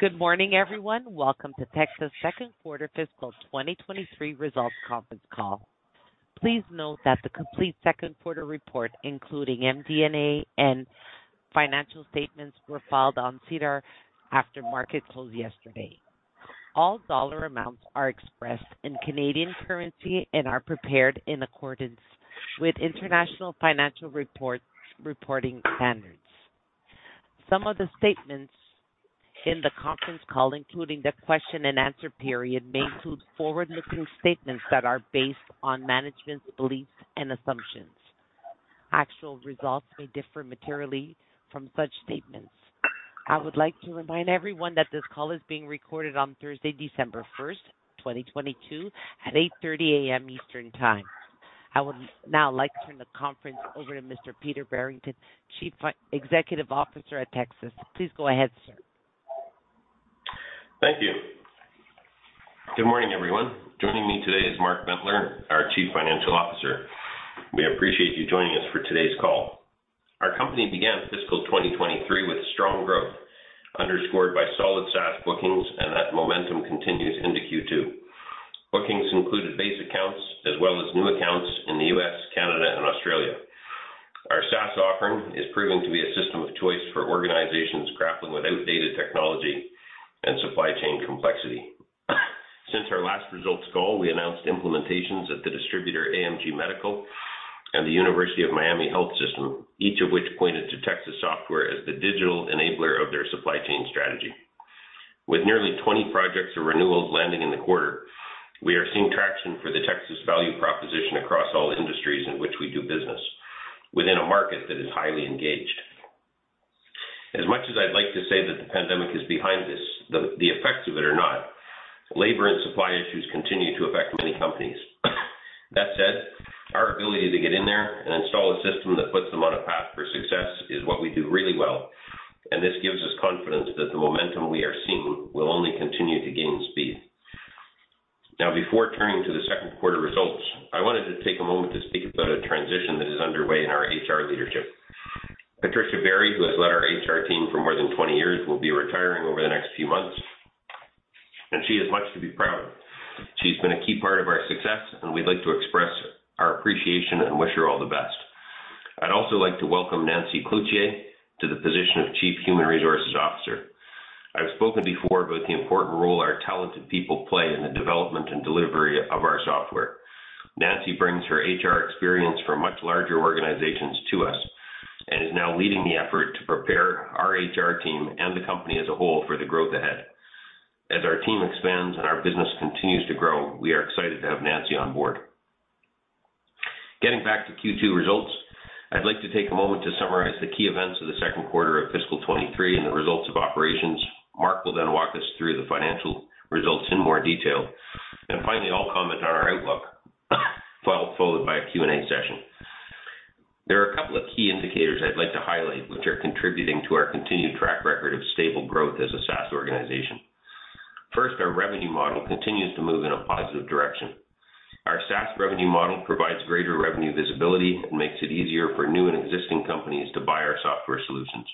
Good morning, everyone. Welcome to Tecsys Second Quarter Fiscal 2023 Results Conference Call. Please note that the complete second quarter report, including MD&A and financial statements, were filed on SEDAR after market close yesterday. All dollar amounts are expressed in Canadian currency and are prepared in accordance with international financial reporting standards. Some of the statements in the conference call, including the question and answer period, may include forward-looking statements that are based on management's beliefs and assumptions. Actual results may differ materially from such statements. I would like to remind everyone that this call is being recorded on Thursday, December 1st, 2022 at 8:30 A.M. Eastern Time. I would now like to turn the conference over to Mr. Peter Brereton, Chief Executive Officer at Tecsys. Please go ahead, sir. Thank you. Good morning, everyone. Joining me today is Mark Bentler, our Chief Financial Officer. We appreciate you joining us for today's call. Our company began fiscal 2023 with strong growth, underscored by solid SaaS bookings. That momentum continues into Q2. Bookings included base accounts as well as new accounts in the U.S., Canada, and Australia. Our SaaS offering is proving to be a system of choice for organizations grappling with outdated technology and supply chain complexity. Since our last results call, we announced implementations at the distributor AMG Medical and the University of Miami Health System, each of which pointed to Tecsys software as the digital enabler of their supply chain strategy. With nearly 20 projects or renewals landing in the quarter, we are seeing traction for the Tecsys value proposition across all industries in which we do business, within a market that is highly engaged. As much as I'd like to say that the pandemic is behind this, the effects of it are not. Labor and supply issues continue to affect many companies. That said, our ability to get in there and install a system that puts them on a path for success is what we do really well, and this gives us confidence that the momentum we are seeing will only continue to gain speed. Before turning to the second quarter results, I wanted to take a moment to speak about a transition that is underway in our HR leadership. Patricia Barry, who has led our HR team for more than 20 years, will be retiring over the next few months. She has much to be proud of. She's been a key part of our success. We'd like to express our appreciation and wish her all the best. I'd also like to welcome Nancy Cloutier to the position of Chief Human Resources Officer. I've spoken before about the important role our talented people play in the development and delivery of our software. Nancy brings her HR experience from much larger organizations to us and is now leading the effort to prepare our HR team and the company as a whole for the growth ahead. As our team expands and our business continues to grow, we are excited to have Nancy on board. Getting back to Q2 results, I'd like to take a moment to summarize the key events of the second quarter of fiscal 2023 and the results of operations. Mark will then walk us through the financial results in more detail. Finally, I'll comment on our outlook, followed by a Q&A session. There are a couple of key indicators I'd like to highlight, which are contributing to our continued track record of stable growth as a SaaS organization. First, our revenue model continues to move in a positive direction. Our SaaS revenue model provides greater revenue visibility and makes it easier for new and existing companies to buy our software solutions.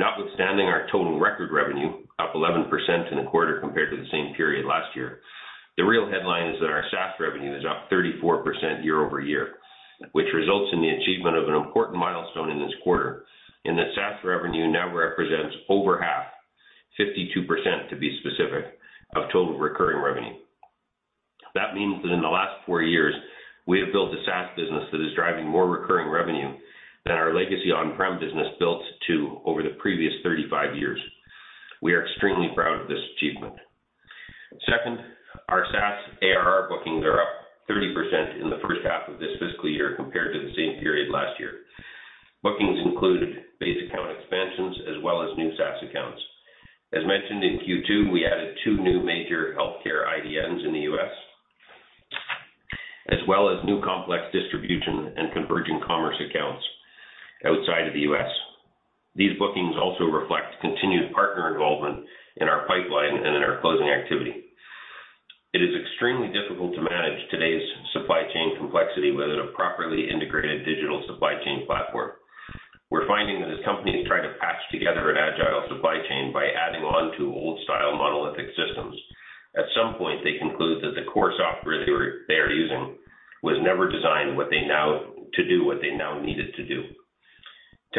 Notwithstanding our total record revenue, up 11% in the quarter compared to the same period last year, the real headline is that our SaaS revenue is up 34% year-over-year, which results in the achievement of an important milestone in this quarter, in that SaaS revenue now represents over half, 52% to be specific, of total recurring revenue. That means that in the last four years, we have built a SaaS business that is driving more recurring revenue than our legacy on-prem business built to over the previous 35 years. We are extremely proud of this achievement. Second, our SaaS ARR bookings are up 30% in the first half of this fiscal year compared to the same period last year. Bookings included base account expansions as well as new SaaS accounts. As mentioned in Q2, we added two new major healthcare IDNs in the U.S., as well as new complex distribution and converging commerce accounts outside of the U.S. These bookings also reflect continued partner involvement in our pipeline and in our closing activity. It is extremely difficult to manage today's supply chain complexity without a properly integrated digital supply chain platform. We're finding that as companies try to patch together an agile supply chain by adding on to old-style monolithic systems, at some point they conclude that the core software they are using was never designed to do what they now need it to do.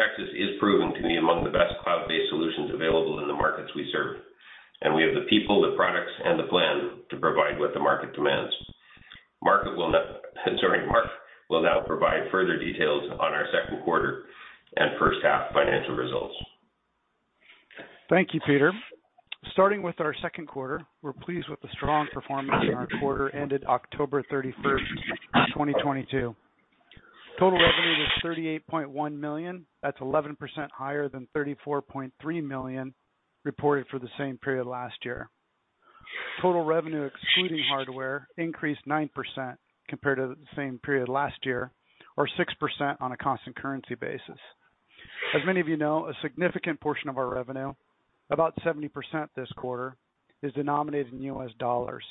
Tecsys is proven to be among the best cloud-based solutions available in the markets we serve, and we have the people, the products, and the plan to provide what the market demands. Mark will now provide further details on our second quarter and first half financial results. Thank you, Peter. Starting with our second quarter, we're pleased with the strong performance in our quarter ended October 31, 2022. Total revenue was 38.1 million. That's 11% higher than 34.3 million reported for the same period last year. Total revenue excluding hardware increased 9% compared to the same period last year, or 6% on a constant currency basis. As many of you know, a significant portion of our revenue, about 70% this quarter, is denominated in U.S. dollars.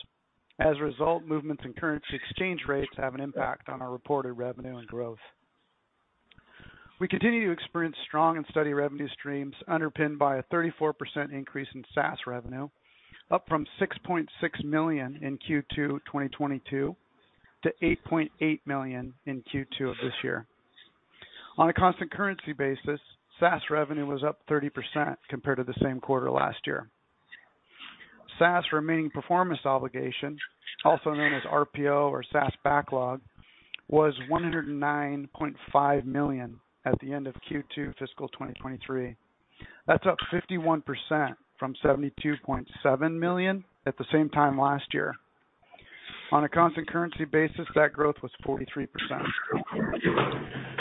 As a result, movements in currency exchange rates have an impact on our reported revenue and growth. We continue to experience strong and steady revenue streams underpinned by a 34% increase in SaaS revenue, up from 6.6 million in Q2 2022-CAD 8.8 million in Q2 of this year. On a constant currency basis, SaaS revenue was up 30% compared to the same quarter last year. SaaS remaining performance obligation, also known as RPO or SaaS backlog, was 109.5 million at the end of Q2 fiscal 2023. That's up 51% from 72.7 million at the same time last year. On a constant currency basis, that growth was 43%.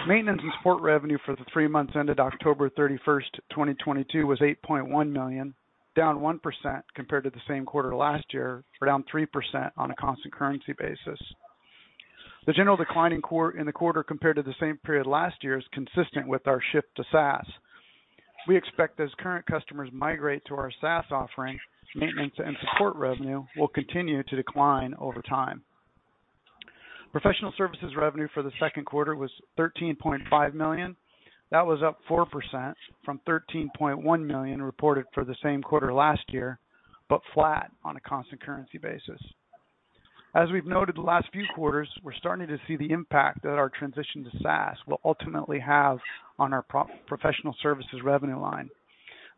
Maintenance and support revenue for the three months ended October 31, 2022 was 8.1 million, down 1% compared to the same quarter last year, or down 3% on a constant currency basis. The general decline in the quarter compared to the same period last year is consistent with our shift to SaaS. We expect as current customers migrate to our SaaS offering, maintenance and support revenue will continue to decline over time. Professional services revenue for the second quarter was 13.5 million. That was up 4% from 13.1 million reported for the same quarter last year, but flat on a constant currency basis. As we've noted the last few quarters, we're starting to see the impact that our transition to SaaS will ultimately have on our professional services revenue line.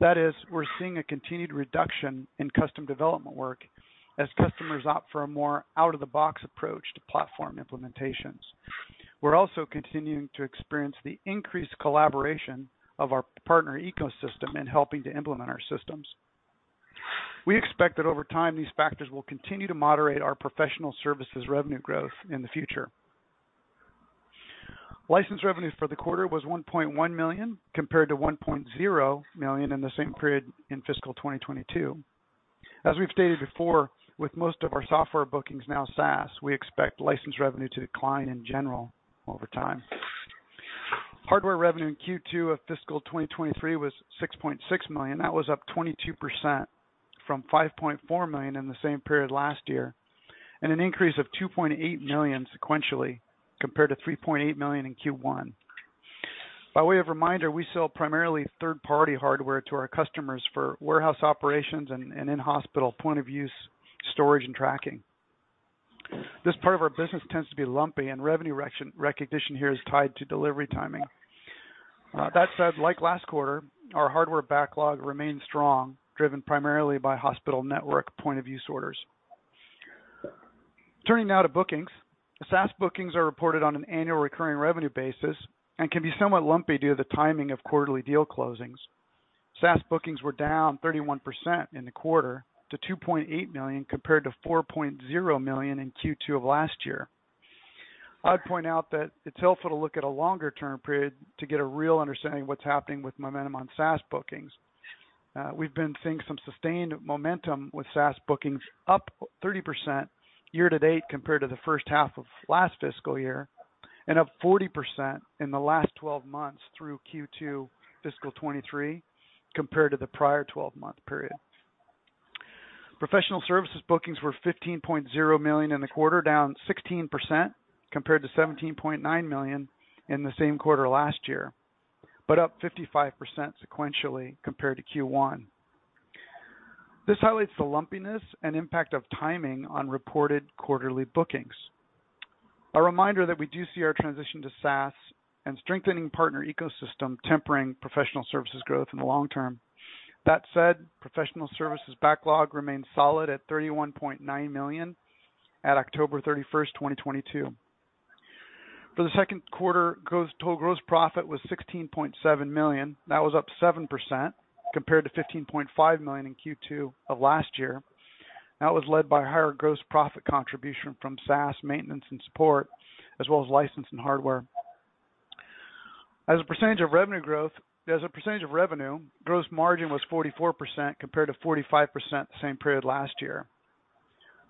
We're seeing a continued reduction in custom development work as customers opt for a more out-of-the-box approach to platform implementations. We're also continuing to experience the increased collaboration of our partner ecosystem in helping to implement our systems. We expect that over time, these factors will continue to moderate our professional services revenue growth in the future. License revenue for the quarter was 1.1 million, compared to 1.0 million in the same period in fiscal 2022. As we've stated before, with most of our software bookings now SaaS, we expect license revenue to decline in general over time. Hardware revenue in Q2 of fiscal 2023 was 6.6 million. That was up 22% from 5.4 million in the same period last year, and an increase of 2.8 million sequentially compared to 3.8 million in Q1. By way of reminder, we sell primarily third-party hardware to our customers for warehouse operations and in-hospital point of use storage and tracking. This part of our business tends to be lumpy, and revenue recognition here is tied to delivery timing. That said, like last quarter, our hardware backlog remains strong, driven primarily by hospital network point of use orders. Turning now to bookings. SaaS bookings are reported on an annual recurring revenue basis and can be somewhat lumpy due to the timing of quarterly deal closings. SaaS bookings were down 31% in the quarter to $2.8 million, compared to $4.0 million in Q2 of last year. I'd point out that it's helpful to look at a longer-term period to get a real understanding of what's happening with momentum on SaaS bookings. We've been seeing some sustained momentum with SaaS bookings up 30% year-to-date compared to the first half of last fiscal year. Up 40% in the last 12 months through Q2 fiscal 2023 compared to the prior 12-month period. Professional services bookings were 15.0 million in the quarter, down 16% compared to 17.9 million in the same quarter last year. Up 55% sequentially compared to Q1. This highlights the lumpiness and impact of timing on reported quarterly bookings. A reminder that we do see our transition to SaaS and strengthening partner ecosystem tempering professional services growth in the long term. That said, professional services backlog remains solid at 31.9 million at October 31, 2022. For the second quarter, total gross profit was 16.7 million. That was up 7% compared to 15.5 million in Q2 of last year. That was led by higher gross profit contribution from SaaS maintenance and support, as well as license and hardware. As a percentage of revenue, gross margin was 44% compared to 45% the same period last year.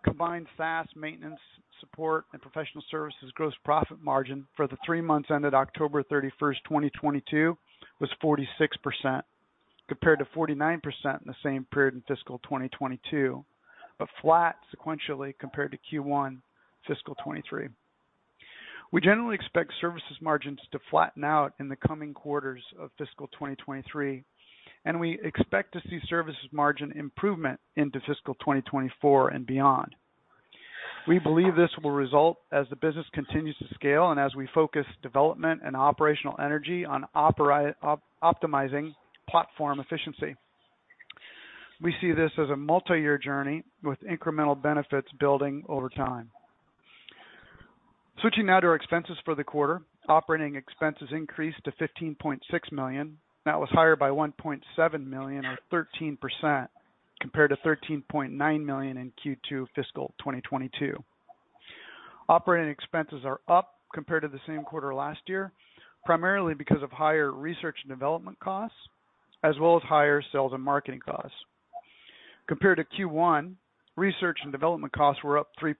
Combined SaaS maintenance, support, and professional services gross profit margin for the 3 months ended October 31, 2022 was 46%, compared to 49% in the same period in fiscal 2022, but flat sequentially compared to Q1 fiscal 2023. We generally expect services margins to flatten out in the coming quarters of fiscal 2023, and we expect to see services margin improvement into fiscal 2024 and beyond. We believe this will result as the business continues to scale and as we focus development and operational energy on optimizing platform efficiency. We see this as a multi-year journey with incremental benefits building over time. Switching now to our expenses for the quarter. Operating expenses increased to 15.6 million. That was higher by 1.7 million or 13% compared to 13.9 million in Q2 fiscal 2022. Operating expenses are up compared to the same quarter last year, primarily because of higher research and development costs, as well as higher sales and marketing costs. Compared to Q1, research and development costs were up 3%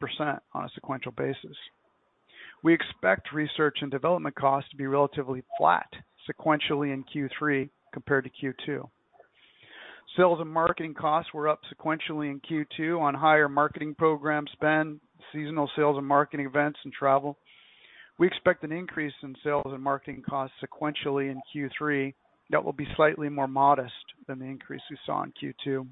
on a sequential basis. We expect research and development costs to be relatively flat sequentially in Q3 compared to Q2. Sales and marketing costs were up sequentially in Q2 on higher marketing program spend, seasonal sales and marketing events, and travel. We expect an increase in sales and marketing costs sequentially in Q3 that will be slightly more modest than the increase we saw in Q2.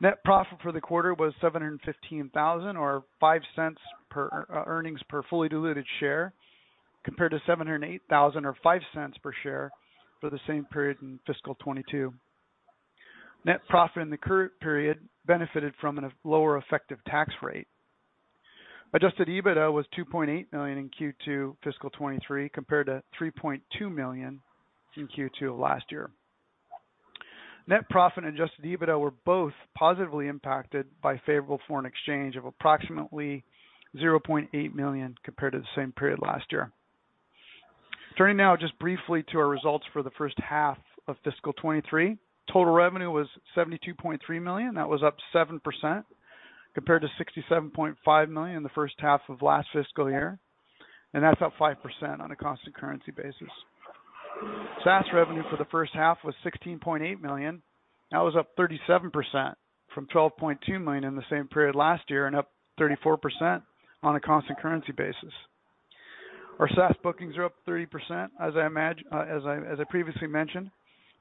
Net profit for the quarter was 715,000 or 0.05 per earnings per fully diluted share, compared to 708,000 or 0.05 per share for the same period in fiscal 2022. Net profit in the current period benefited from a lower effective tax rate. Adjusted EBITDA was 2.8 million in Q2 fiscal 2023, compared to 3.2 million in Q2 of last year. Net profit and adjusted EBITDA were both positively impacted by favorable foreign exchange of approximately 0.8 million compared to the same period last year. Turning now just briefly to our results for the first half of fiscal 2023. Total revenue was 72.3 million. That was up 7% compared to 67.5 million in the first half of last fiscal year, and that's up 5% on a constant currency basis. SaaS revenue for the first half was 16.8 million. That was up 37% from 12.2 million in the same period last year and up 34% on a constant currency basis. Our SaaS bookings are up 30%, as I previously mentioned,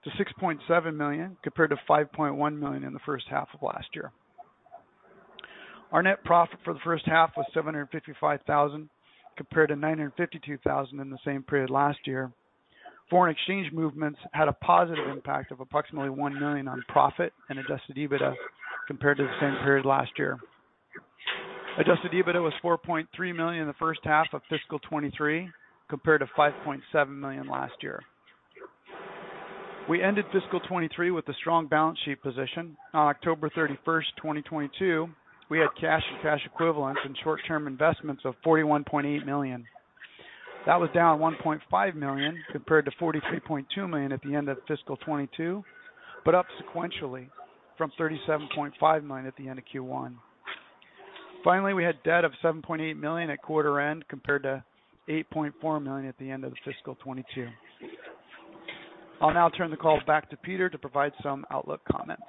to 6.7 million, compared to 5.1 million in the first half of last year. Our net profit for the first half was 755,000, compared to 952,000 in the same period last year. Foreign exchange movements had a positive impact of approximately 1 million on profit and adjusted EBITDA compared to the same period last year. Adjusted EBITDA was 4.3 million in the first half of fiscal 2023, compared to 5.7 million last year. We ended fiscal 2023 with a strong balance sheet position. On October 31, 2022, we had cash and cash equivalents and short-term investments of 41.8 million. That was down 1.5 million compared to 43.2 million at the end of fiscal 2022, but up sequentially from 37.5 million at the end of Q1. Finally, we had debt of 7.8 million at quarter end, compared to 8.4 million at the end of the fiscal 2022. I'll now turn the call back to Peter to provide some outlook comments.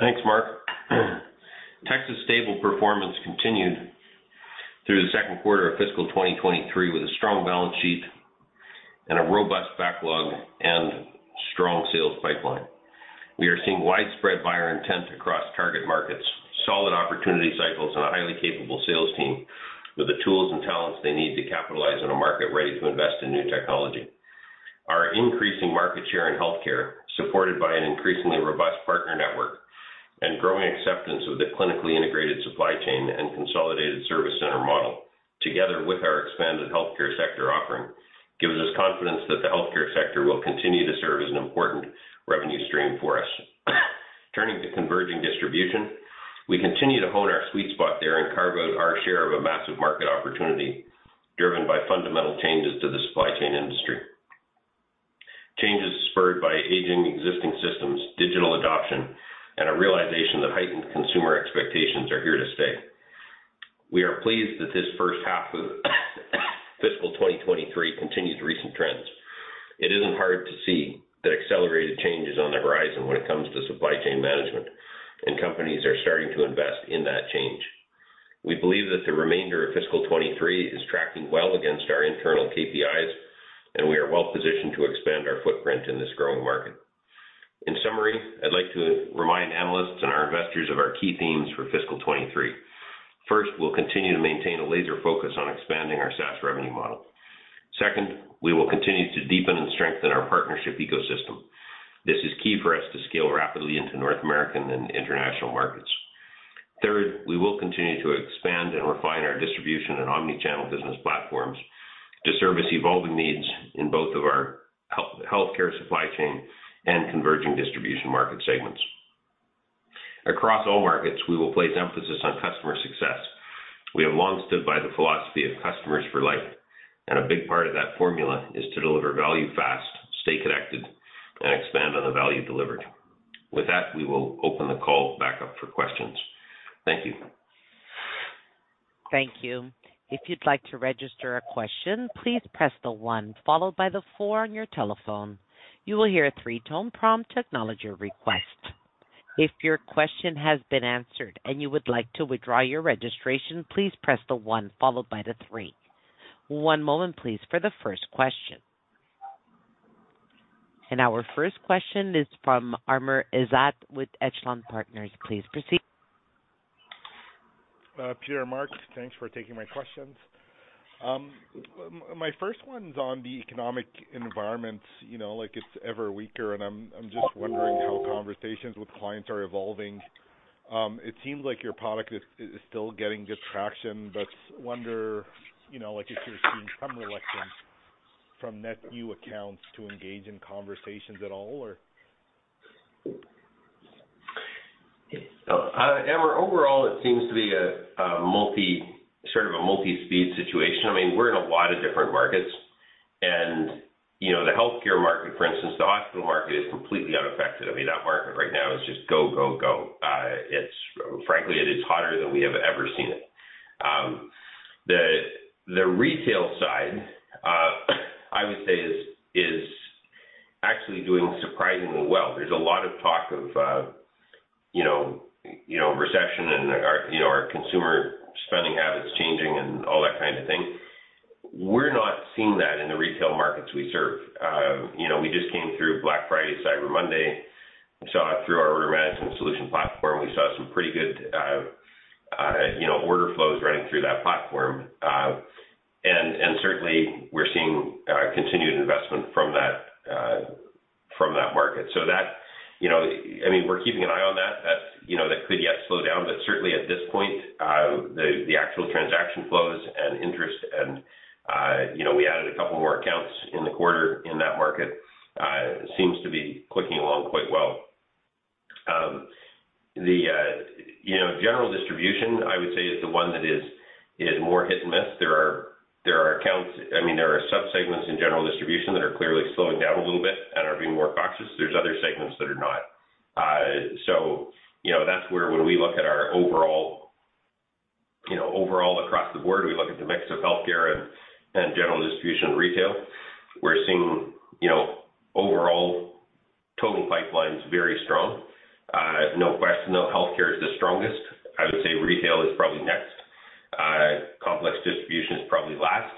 Thanks, Mark. Tecsys' stable performance continued through the second quarter of fiscal 2023 with a strong balance sheet and a robust backlog and strong sales pipeline. We are seeing widespread buyer intent across target markets, solid opportunity cycles, and a highly capable sales team with the tools and talents they need to capitalize on a market ready to invest in new technology. Our increasing market share in healthcare, supported by an increasingly robust partner network and growing acceptance of the clinically integrated supply chain and consolidated service center model, together with our expanded healthcare sector offering, gives us confidence that the healthcare sector will continue to serve as an important revenue stream for us. Turning to converging distribution, we continue to hone our sweet spot there and carve out our share of a massive market opportunity driven by fundamental changes to the supply chain industry. Changes spurred by aging existing systems, digital adoption, and a realization that heightened consumer expectations are here to stay. We are pleased that this first half of fiscal 2023 continues recent trends. It isn't hard to see that accelerated change is on the horizon when it comes to supply chain management, and companies are starting to invest in that change. We believe that the remainder of fiscal 2023 is tracking well against our internal KPIs, and we are well-positioned to expand our footprint in this growing market. In summary, I'd like to remind Analysts and our Investors of our key themes for fiscal 2023. First, we'll continue to maintain a laser focus on expanding our SaaS revenue model. Second, we will continue to deepen and strengthen our partnership ecosystem. This is key for us to scale rapidly into North American and international markets. Third, we will continue to expand and refine our distribution and omnichannel business platforms to service evolving needs in both of our Healthcare Supply Chain and Converging Distribution Market segments. Across all markets, we will place emphasis on customer success. We have long stood by the philosophy of customers for life, and a big part of that formula is to deliver value fast, stay connected, and expand on the value delivered. With that, we will open the call back up for questions. Thank you. Thank you. If you'd like to register a question, please press the one followed by the four on your telephone. You will hear a three-tone prompt to acknowledge your request. If your question has been answered and you would like to withdraw your registration, please press the one followed by the three. One moment, please, for the first question. Our first question is from Amr Ezzat with Echelon Capital Markets. Please proceed. Peter, Mark, thanks for taking my questions. My first one's on the economic environment. You know, like, it's ever weaker, and I'm just wondering how conversations with clients are evolving. It seems like your product is still getting good traction, but wonder, you know, like, if you're seeing some reluctance from net new accounts to engage in conversations at all, or? Amr, overall, it seems to be a multi-speed situation. I mean, we're in a lot of different markets. You know, the healthcare market, for instance, the hospital market is completely unaffected. I mean, that market right now is just go, go. Frankly, it is hotter than we have ever seen it. The retail side, I would say is actually doing surprisingly well. There's a lot of talk of, you know, recession and our, you know, our consumer spending habits changing and all that kind of thing. We're not seeing that in the retail markets we serve. You know, we just came through Black Friday, Cyber Monday. We saw through our Room Management Solution platform, we saw some pretty good, you know, order flows running through that platform. And certainly we're seeing continued investment from that from that market. You know, I mean, we're keeping an eye on that. That, you know, that could yet slow down. Certainly at this point, the actual transaction flows and interest and, you know, we added a couple more accounts in the quarter in that market, seems to be clicking along quite well. The, you know, general distribution, I would say, is the one that is more hit and miss. There are accounts, I mean, there are subsegments in general distribution that are clearly slowing down a little bit and are being more cautious. There's other segments that are not. You know, that's where when we look at our overall, you know, overall across the board, we look at the mix of healthcare and general distribution and retail. We're seeing, you know, overall total pipelines very strong. No question, though, healthcare is the strongest. I would say retail is probably next. Complex distribution is probably last.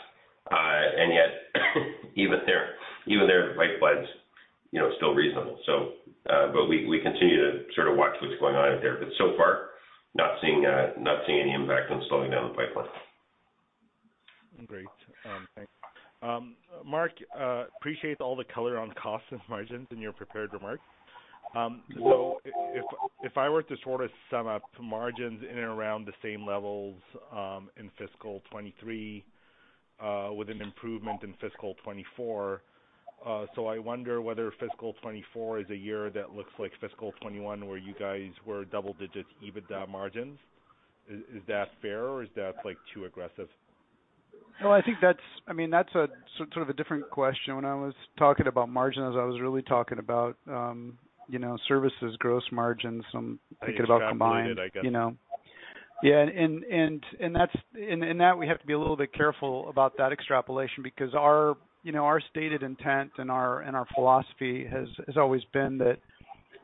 Even there the pipeline's, you know, still reasonable. We continue to sort of watch what's going on out there, but so far not seeing any impact on slowing down the pipeline. Great. Thanks. Mark, appreciate all the color on costs and margins in your prepared remarks. If I were to sort of sum up margins in and around the same levels in fiscal 2023, with an improvement in fiscal 2024, I wonder whether fiscal 2024 is a year that looks like fiscal 2021, where you guys were double-digit EBITDA margins. Is that fair or is that, like, too aggressive? No, I think that's, I mean, that's a sort of a different question. When I was talking about margins, I was really talking about, you know, services gross margins. I'm thinking about. You extrapolated, I guess. You know. And that we have to be a little bit careful about that extrapolation because our, you know, our stated intent and our philosophy has always been that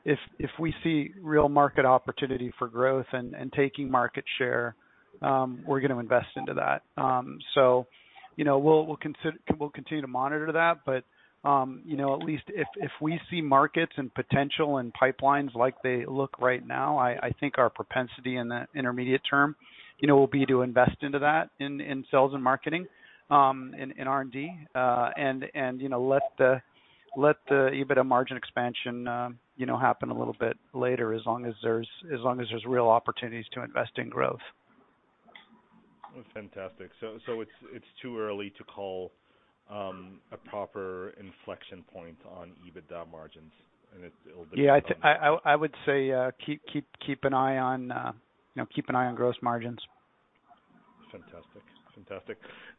if we see real market opportunity for growth and taking market share, we're gonna invest into that. You know, we'll continue to monitor that. You know, at least if we see markets and potential and pipelines like they look right now, I think our propensity in the intermediate term, you know, will be to invest into that in sales and marketing, in R&D. You know, let the EBITDA margin expansion, you know, happen a little bit later as long as there's real opportunities to invest in growth. Fantastic. It's too early to call a proper inflection point on EBITDA margins. I would say, keep an eye on, you know, keep an eye on gross margins. Fantastic.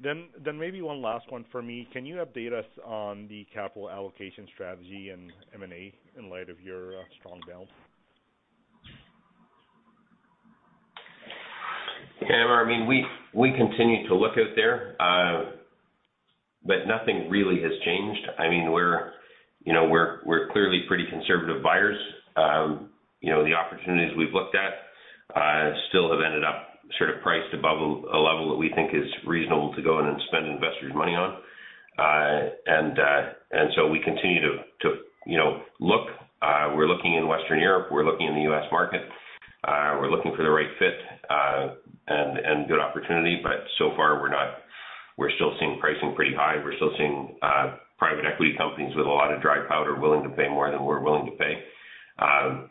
Fantastic. Maybe one last one for me. Can you update us on the capital allocation strategy and M&A in light of your strong balance? Yeah. I mean, we continue to look out there, but nothing really has changed. I mean, you know, we're clearly pretty conservative buyers. You know, the opportunities we've looked at, still have ended up sort of priced above a level that we think is reasonable to go in and spend Investors' money on. We continue to, you know, look. We're looking in Western Europe, we're looking in the U.S. market, we're looking for the right fit, and good opportunity. So far, we're still seeing pricing pretty high. We're still seeing private equity companies with a lot of dry powder willing to pay more than we're willing to pay. Our--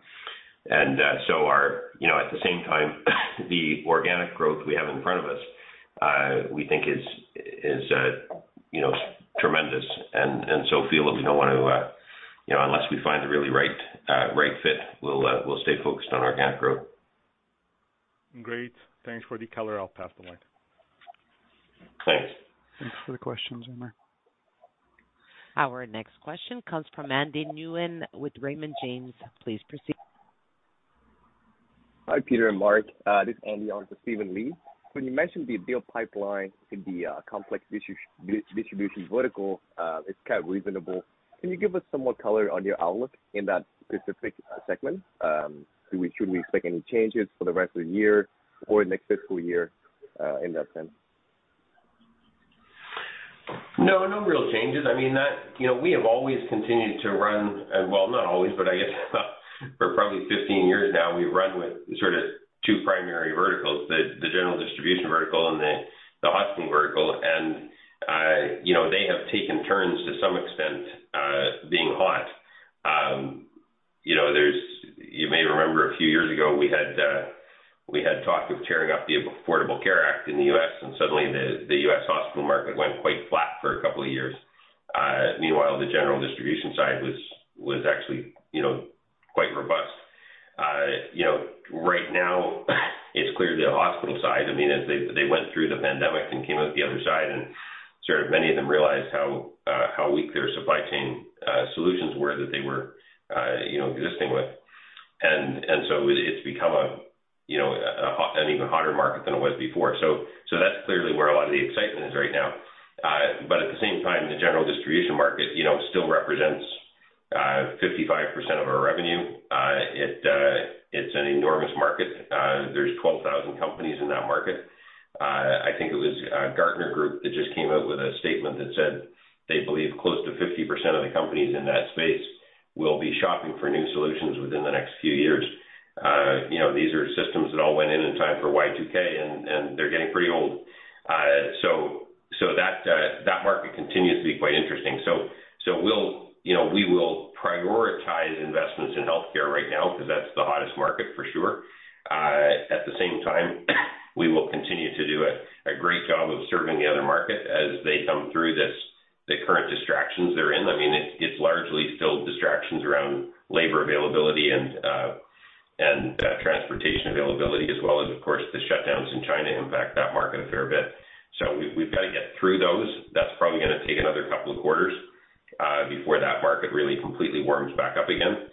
You know, at the same time, the organic growth we have in front of us, we think is, you know, tremendous. So feel that we don't want to, you know, unless we find the really right fit, we'll stay focused on organic growth. Great. Thanks for the color. I'll pass the line. Thanks. Thanks for the questions, Amr. Our next question comes from Andy Nguyen with Raymond James. Please proceed. Hi, Peter Brereton and Mark Bentler. This is Andy Nguyen on for Steven Li. When you mentioned the deal pipeline in the complex distribution vertical, it's kind of reasonable. Can you give us some more color on your outlook in that specific segment? Should we expect any changes for the rest of the year or next fiscal year, in that sense? No, no real changes. I mean, you know, we have always continued to run. Well, not always, but I guess for probably 15 years now, we've run with sort of two primary verticals, the general distribution vertical and the hospital vertical. You know, they have taken turns to some extent, being hot. You know, you may remember a few years ago we had talk of tearing up the Affordable Care Act in the U.S., suddenly the U.S. hospital market went quite flat for a couple of years. Meanwhile, the general distribution side was actually, you know, quite robust. You know, right now it's clearly the hospital side. I mean, as they went through the pandemic and came out the other side. Many of them realize how weak their supply chain solutions were that they were, you know, existing with. It's become a, you know, an even hotter market than it was before. That's clearly where a lot of the excitement is right now. At the same time, the general distribution market, you know, still represents 55% of our revenue. It's an enormous market. There's 12,000 companies in that market. I think it was Gartner Group that just came out with a statement that said they believe close to 50% of the companies in that space will be shopping for new solutions within the next few years. You know, these are systems that all went in in time for Y2K, and they're getting pretty old. That market continues to be quite interesting. We'll, you know, we will prioritize investments in healthcare right now 'cause that's the hottest market for sure. At the same time, we will continue to do a great job of serving the other market as they come through this, the current distractions they're in. I mean, it's largely still distractions around labor availability and transportation availability as well as, of course, the shutdowns in China impact that market a fair bit. We've got to get through those. That's probably gonna take another couple of quarters before that market really completely warms back up again.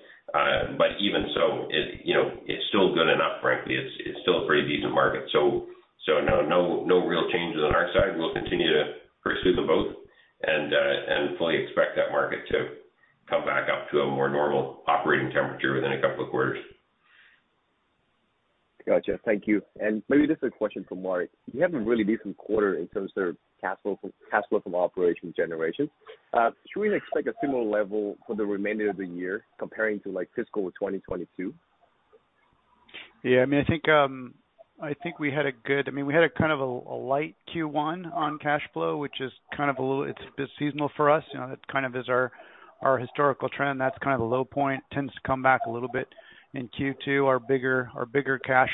Even so, it, you know, it's still good enough, frankly. It's still a pretty decent market. No real changes on our side. We'll continue to pursue them both and fully expect that market to come back up to a more normal operating temperature within a couple of quarters. Gotcha. Thank you. Maybe just a question for Mark. You had a really decent quarter in terms of capital from operations generation. Should we expect a similar level for the remainder of the year comparing to, like, fiscal 2022? Yeah, I mean, I think we had a kind of a light Q1 on cash flow, which is kind of a little, it's seasonal for us. You know, that kind of is our historical trend. That's kind of a low point, tends to come back a little bit in Q2. Our bigger cash,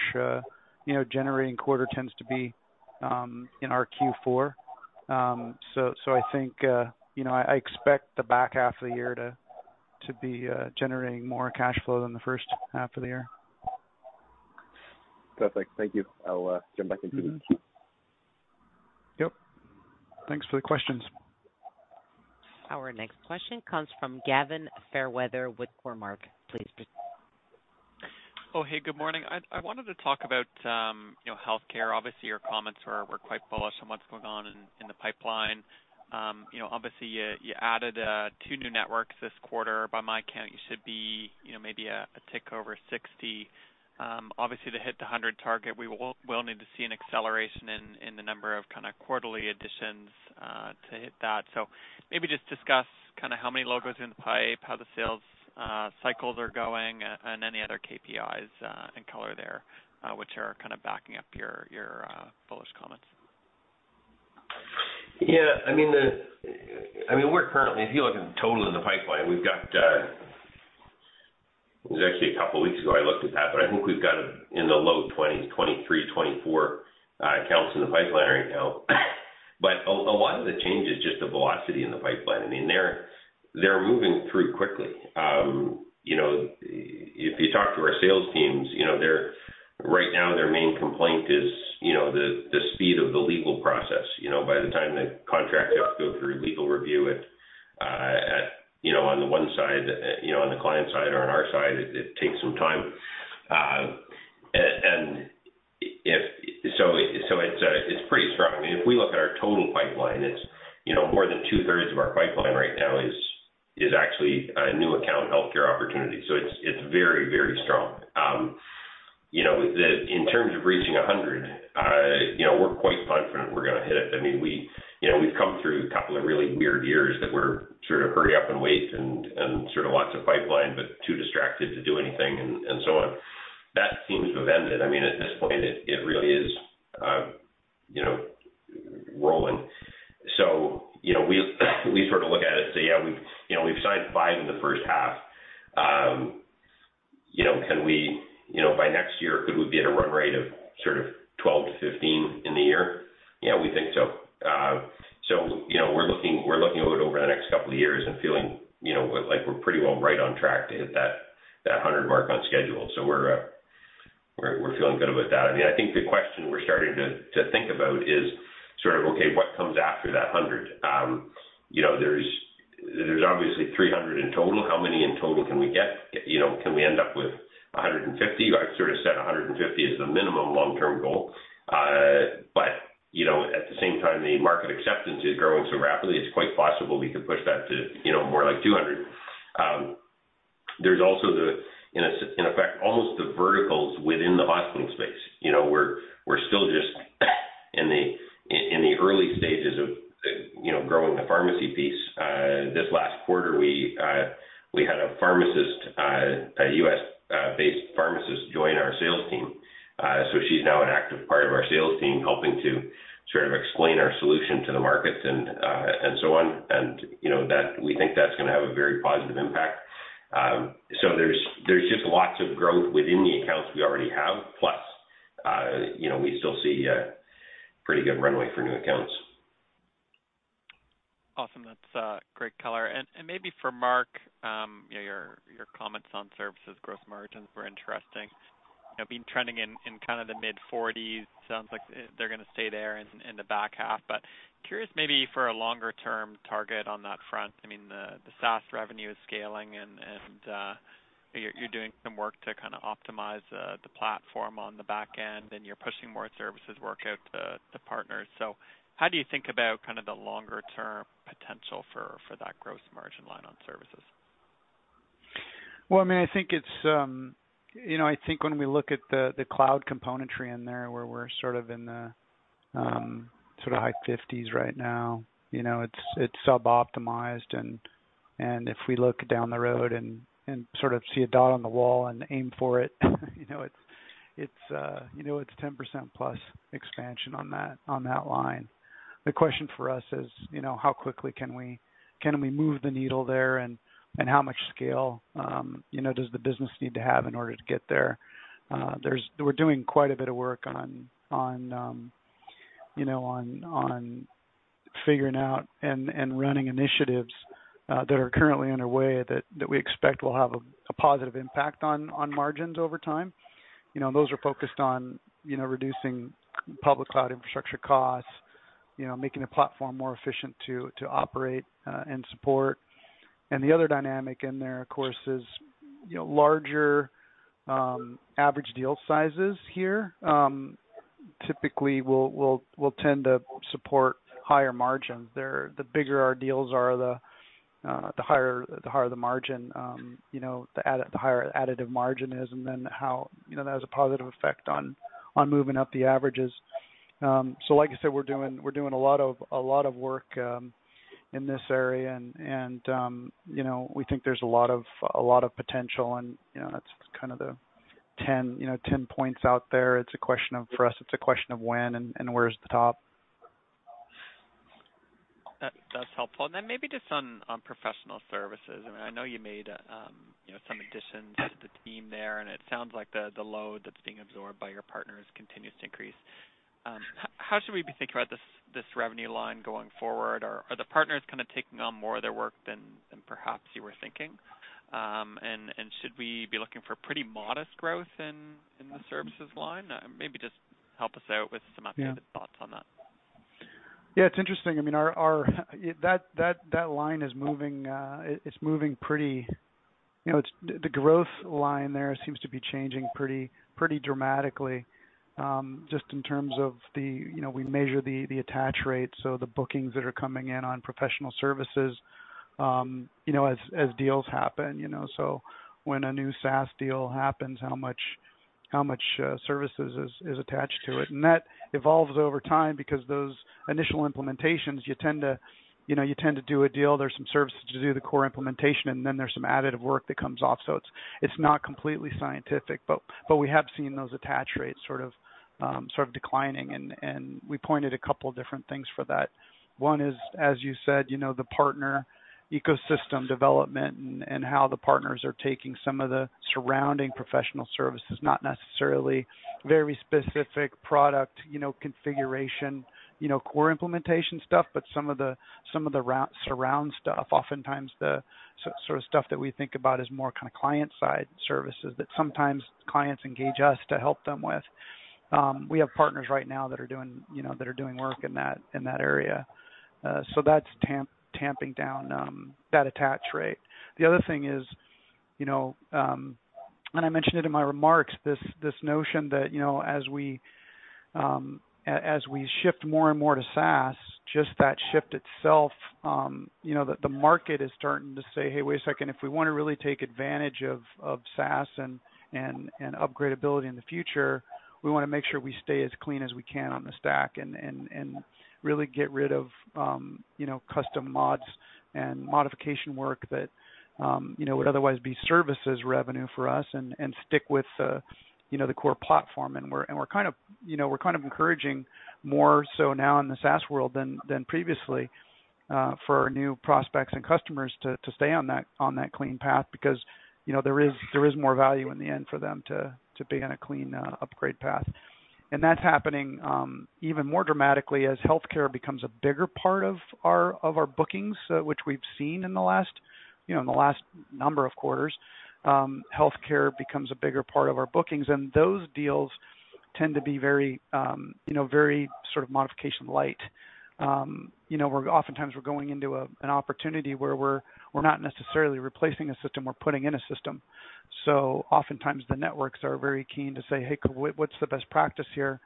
you know, generating quarter tends to be in our Q4. I think, you know, I expect the back half of the year to be generating more cash flow than the first half of the year. Perfect. Thank you. I'll jump back in queue. Yeah. Thanks for the questions. Our next question comes from Gavin Fairweather with Cormark. Please proceed. Hey, good morning. I wanted to talk about, you know, healthcare. Obviously, your comments were quite bullish on what's going on in the pipeline. You know, obviously you added two new networks this quarter. By my count, you should be, you know, maybe a tick over 60. Obviously, to hit the 100 target, we'll need to see an acceleration in the number of kind of quarterly additions to hit that. Maybe just discuss kind of how many logos in the pipe, how the sales cycles are going, and any other KPIs and color there, which are kind of backing up your bullish comments. Yeah, I mean, if you look at total in the pipeline, we've got--it was actually a couple weeks ago, I looked at that, but I think we've got in the low 20s, 23, 24 accounts in the pipeline right now. A lot of the change is just the velocity in the pipeline. I mean, they're moving through quickly. You know, if you talk to our sales teams, you know, right now, their main complaint is, you know, the speed of the legal process. You know, by the time the contracts have to go through legal review it, at, you know, on the one side, you know, on the client side or on our side, it takes some time. It's pretty strong. I mean, if we look at our total pipeline, it's, you know, more than 2/3s of our pipeline right now is actually new account healthcare opportunities. It's very, very strong. You know, in terms of reaching 100, you know, we're quite confident we're gonna hit it. I mean, we, you know, we've come through a couple of really weird years that we're sort of hurry up and wait and sort of lots of pipeline, but too distracted to do anything, and so on. That seems to have ended. I mean, at this point it really is, you know, rolling. You know, we sort of look at it and say, "Yeah, we've, you know, we've signed five in the first half. You know, can we, you know, by next year, could we be at a run rate of sort of 12-15 in the year? Yeah, we think so. You know, we're looking, we're looking at it over the next couple of years and feeling, you know, like we're pretty well right on track to hit that 100 mark on schedule. We're feeling good about that. I mean, I think the question we're starting to think about is sort of, okay, what comes after that 100? You know, there's obviously 300 in total. How many in total can we get? You know, can we end up with 150? I've sort of said 150 is the minimum long-term goal. You know, at the same time, the market acceptance is growing so rapidly, it's quite possible we could push that to, you know, more like 200. There's also the, in effect, almost the verticals within the hospital space. You know, we're still just in the early stages of, you know, growing the pharmacy piece. This last quarter, we had a pharmacist, a U.S. based pharmacist join our sales team. She's now an active part of our sales team, helping to sort of explain our solution to the markets and so on. You know, that, we think that's gonna have a very positive impact. There's just lots of growth within the accounts we already have, plus, you know, we still see a pretty good runway for new accounts. Awesome. That's great color. Maybe for Mark, you know, your comments on services gross margins were interesting. You know, been trending in kind of the mid-forties. Sounds like they're gonna stay there in the back half. Curious maybe for a longer-term target on that front. I mean, the SaaS revenue is scaling, and you're doing some work to kinda optimize the platform on the back end, and you're pushing more services work out to partners. How do you think about kind of the longer term potential for that gross margin line on services? Well, I mean, I think it's, you know, I think when we look at the cloud componentry in there, where we're sort of in the, sort of high 50s right now, you know, it's sub-optimized and if we look down the road and sort of see a dot on the wall and aim for it, you know, it's 10%+ expansion on that, on that line. The question for us is, you know, how quickly can we move the needle there, and how much scale, you know, does the business need to have in order to get there? We're doing quite a bit of work on, you know, on figuring out and running initiatives that are currently underway that we expect will have a positive impact on margins over time. You know, those are focused on, you know, reducing public cloud infrastructure costs, you know, making the platform more efficient to operate and support. The other dynamic in there, of course, is, you know, larger average deal sizes here typically will tend to support higher margins. The bigger our deals are, the higher the margin, you know, the higher additive margin is and then how, you know, that has a positive effect on moving up the averages. Like I said, we're doing a lot of work in this area and, you know, we think there's a lot of potential and, you know, that's kind of the 10 points out there. It's a question of, for us, it's a question of when and where's the top. That's helpful. Then maybe just on professional services. I mean, I know you made, you know, some additions to the team there, and it sounds like the load that's being absorbed by your partners continues to increase. How should we be thinking about this revenue line going forward? Are the partners kind of taking on more of their work than perhaps you were thinking? Should we be looking for pretty modest growth in the services line? Maybe just help us out with some updated-- Yeah. thoughts on that. Yeah, it's interesting. I mean, our that line is moving, it's moving pretty. You know, it's the growth line there seems to be changing pretty dramatically, just in terms of the--, you know, we measure the attach rate, so the bookings that are coming in on professional services, you know, as deals happen, you know. When a new SaaS deal happens, how much services is attached to it. That evolves over time because those initial implementations, you tend to, you know, you tend to do a deal, there's some services to do the core implementation, and then there's some additive work that comes off. It's not completely scientific, but we have seen those attach rates sort of declining and we pointed a couple different things for that. One is, as you said, you know, the partner ecosystem development and how the partners are taking some of the surrounding professional services, not necessarily very specific product, you know, configuration, you know, core implementation stuff, but some of the surround stuff. Oftentimes the sort of stuff that we think about is more kind of client-side services that sometimes clients engage us to help them with. We have partners right now that are doing work in that area. That's tamping down that attach rate. The other thing is, you know, I mentioned it in my remarks, this notion that, you know, as we shift more and more to SaaS, just that shift itself, you know, the market is starting to say, "Hey, wait a second. If we wanna really take advantage of SaaS and upgrade ability in the future, we wanna make sure we stay as clean as we can on the stack and really get rid of, you know, custom mods and modification work that, you know, would otherwise be services revenue for us and stick with, you know, the core platform. We're kind of, you know, we're kind of encouraging more so now in the SaaS world than previously for our new prospects and customers to stay on that clean path because, you know, there is more value in the end for them to be on a clean upgrade path. That's happening, even more dramatically as healthcare becomes a bigger part of our bookings, which we've seen in the last, you know, in the last number of quarters. Healthcare becomes a bigger part of our bookings, and those deals tend to be very, you know, very sort of modification light. You know, oftentimes we're going into an opportunity where we're not necessarily replacing a system, we're putting in a system. Oftentimes the networks are very keen to say, "Hey, what's the best practice here?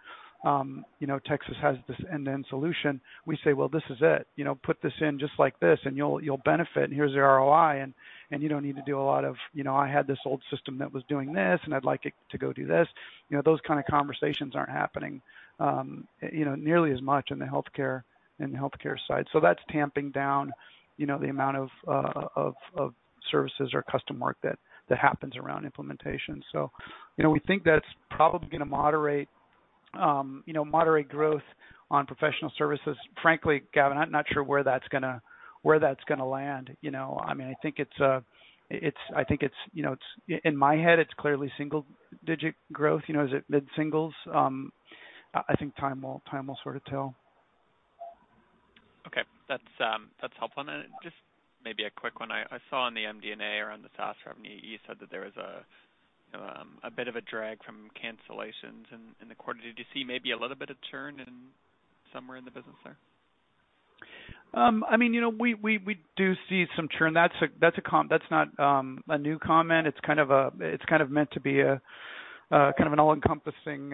You know, Tecsys' has this end-to-end solution." We say, "Well, this is it. You know, put this in just like this and you'll benefit. And here's the ROI. You don't need to do a lot of, you know, I had this old system that was doing this, and I'd like it to go do this." You know, those kind of conversations aren't happening, you know, nearly as much in the healthcare side. That's tamping down, you know, the amount of services or custom work that happens around implementation. You know, we think that's probably gonna moderate, you know, moderate growth on professional services. Frankly, Gavin, I'm not sure where that's gonna land, you know. I mean, I think it's you know, it's--in my head, it's clearly single-digit growth, you know. Is it mid-singles? I think time will sort of tell. Okay. That's helpful. Just maybe a quick one. I saw in the MD&A around the SaaS revenue, you said that there was a bit of a drag from cancellations in the quarter. Did you see maybe a little bit of churn in somewhere in the business there? I mean, you know, we do see some churn. That's not a new comment. It's kind of meant to be a kind of an all-encompassing,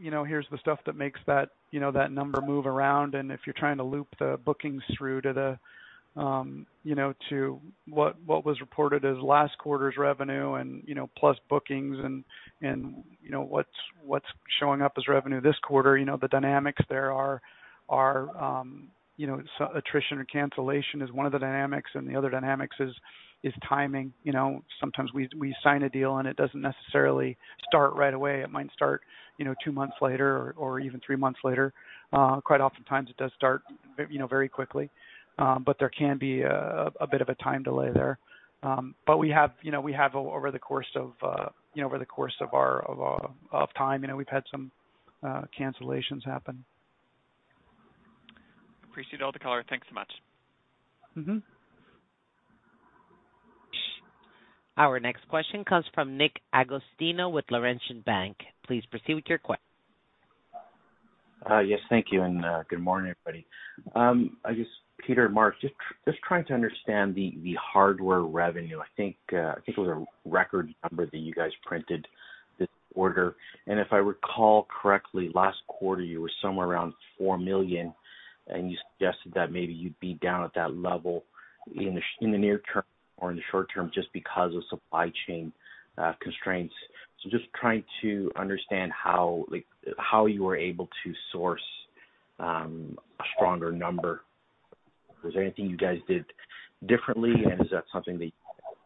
you know, here's the stuff that makes that, you know, that number move around. If you're trying to loop the bookings through to the-- you know, to what was reported as last quarter's revenue and, you know, plus bookings and, you know, what's showing up as revenue this quarter. You know, the dynamics there are, you know, attrition or cancellation is one of the dynamics, and the other dynamics is timing. You know, sometimes we sign a deal, and it doesn't necessarily start right away. It might start, you know, two months later or even three months later. Quite often times it does start, you know, very quickly. There can be a bit of a time delay there. We have, you know, over the course of, you know, over the course of our of time, you know, we've had some cancellations happen. Appreciate all the color. Thanks so much. Our next question comes from Nick Agostino with Laurentian Bank. Please proceed with your question. Yes, thank you, and good morning, everybody. I guess, Peter and Mark, just trying to understand the hardware revenue. I think it was a record number that you guys printed this quarter. If I recall correctly, last quarter you were somewhere around 4 million, and you suggested that maybe you'd be down at that level in the near term or in the short term just because of supply chain constraints. Just trying to understand how, like, how you were able to source a stronger number. Was there anything you guys did differently? Is that something that you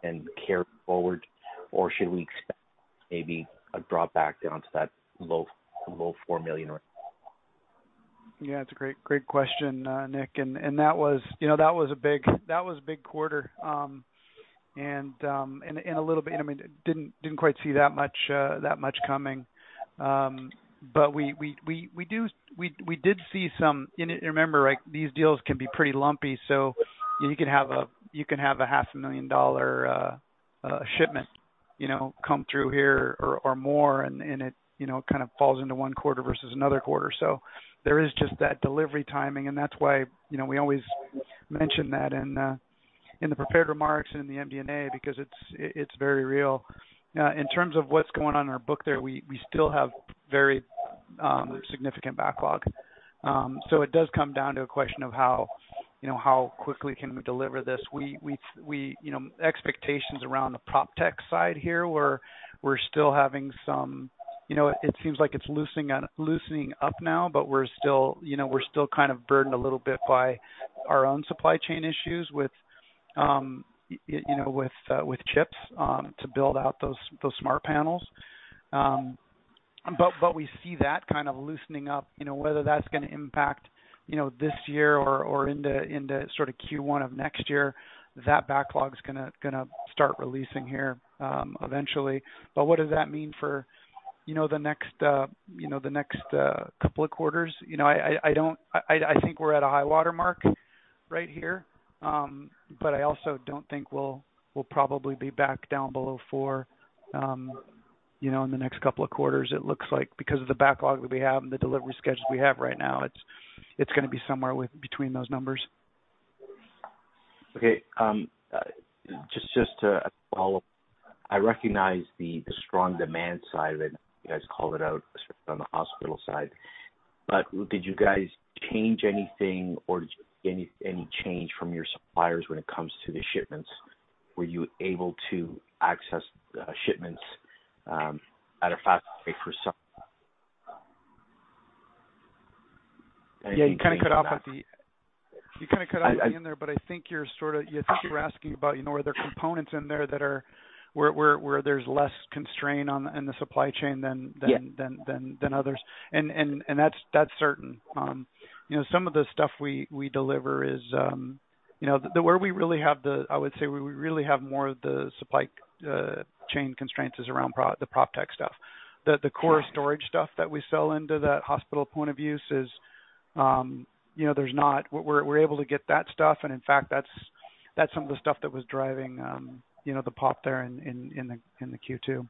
can carry forward, or should we expect maybe a drop back down to that low 4 million? Yeah, it's a great question, Nick. That was, you know, that was a big quarter. A little bit, I mean, didn't quite see that much coming. We did see some. Remember, right, these deals can be pretty lumpy, so you can have a half a million dollar shipment, you know, come through here or more and it, you know, kind of falls into one quarter versus another quarter. There is just that delivery timing, and that's why, you know, we always mention that in the prepared remarks and in the MD&A because it's very real. In terms of what's going on in our book there, we still have very significant backlog. It does come down to a question of how quickly can we deliver this. You know, expectations around the PropTech side here, we're still having some. You know, it seems like it's loosening up now, but we're still, you know, we're still kind of burdened a little bit by our own supply chain issues with you know, with chips to build out those smart panels. We see that kind of loosening up. You know, whether that's gonna impact, you know, this year or into sort of Q1 of next year, that backlog's gonna start releasing here eventually. What does that mean for the next couple of quarters? You know, I don't. I think we're at a high-water mark right here. I also don't think we'll probably be back down below four, you know, in the next couple of quarters. It looks like because of the backlog that we have and the delivery schedules we have right now, it's gonna be somewhere with between those numbers. Okay. Just to follow up. I recognize the strong demand side of it. You guys called it out on the hospital side. Did you guys change anything or any change from your suppliers when it comes to the shipments? Were you able to access shipments at a faster rate for some? Yeah, you kinda cut off at there, but I think you're sort of, I think you're asking about, you know, are there components in there that are where there's less constraint on the, in the supply chain than? Yeah. Than others. That's certain. You know, some of the stuff we deliver is, you know, where we really have the, I would say, where we really have more of the supply chain constraints is around the PropTech stuff. The core storage stuff that we sell into that hospital point of view says, you know, there's not. We're able to get that stuff, and in fact, that's some of the stuff that was driving, you know, the pop there in the Q2.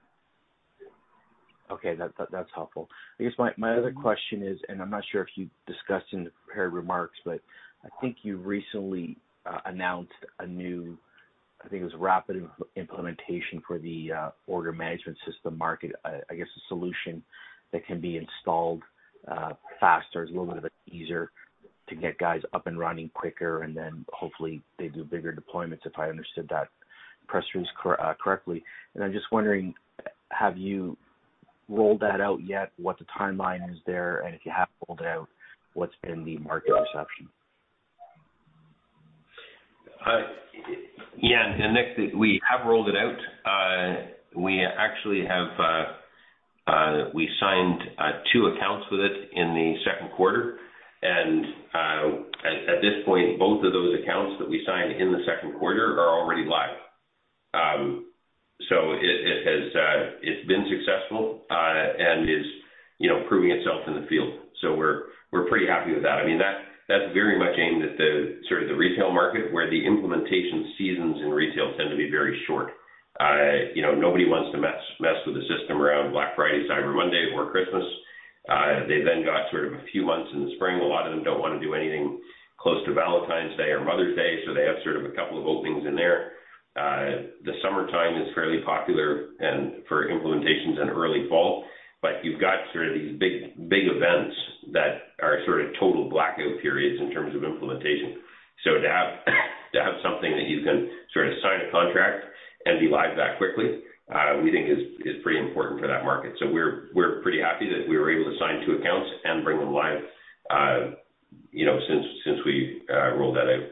Okay. That's helpful. I guess my other question is, I'm not sure if you discussed in the prepared remarks, I think you recently announced a new, I think it was rapid implementation for the order management system market. I guess a solution that can be installed faster, is a little bit easier to get guys up and running quicker, and then hopefully they do bigger deployments, if I understood that press release correctly. I'm just wondering, have you rolled that out yet, what the timeline is there? If you have rolled it out, what's been the market reception? Yeah. Nick, we have rolled it out. We actually have, we signed two accounts with it in the second quarter. At this point, both of those accounts that we signed in the second quarter are already live. It has, it's been successful, and is, you know, proving itself in the field. We're pretty happy with that. I mean, that's very much aimed at the sort of the retail market where the implementation seasons in retail tend to be very short. You know, nobody wants to mess with the system around Black Friday, Cyber Monday or Christmas. They've then got sort of a few months in the spring. A lot of them don't wanna do anything close to Valentine's Day or Mother's Day, they have sort of a couple of openings in there. The summertime is fairly popular, and for implementations in early fall, you've got sort of these big, big events that are sort of total blackout periods in terms of implementation. To have something that you can sort of sign a contract and be live that quickly, we think is pretty important for that market. We're pretty happy that we were able to sign two accounts and bring them live, since we rolled that out.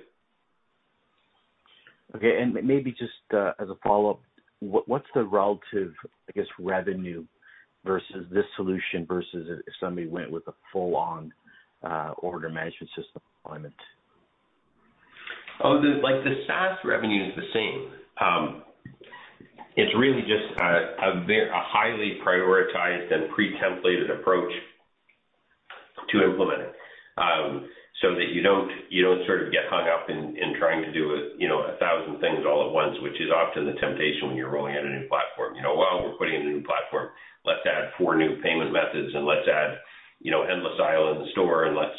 Okay. Maybe just as a follow-up, what's the relative, I guess, revenue versus this solution versus if somebody went with a full-on order management system alignment? Like the SaaS revenue is the same. It's really just a highly prioritized and pre-templated approach to implement it, so that you don't sort of get hung up in trying to do a, you know, 1,000 things all at once, which is often the temptation when you're rolling out a new platform. You know, well, we're putting in a new platform, let's add four new payment methods and let's add, you know, endless aisle in the store and let's,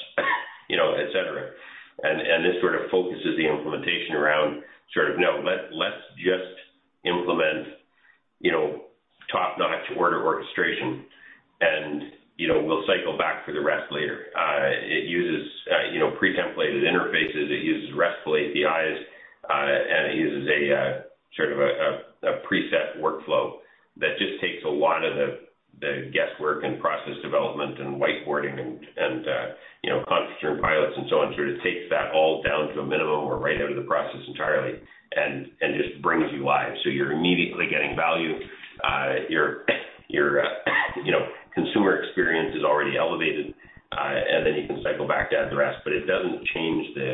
you know, et cetera. This sort of focuses the implementation around sort of, no, let's just implement, you know, top-notch order orchestration and, you know, we'll cycle back for the rest later. It uses, you know, pre-templated interfaces. It uses RESTful APIs, and it uses a sort of a preset workflow that just takes a lot of the guesswork and process development and whiteboarding and, you know, concept term pilots and so on, sort of takes that all down to a minimum or right out of the process entirely and just brings you live. You're immediately getting value. Your consumer experience is already elevated, then you can cycle back to add the rest, but it doesn't change the,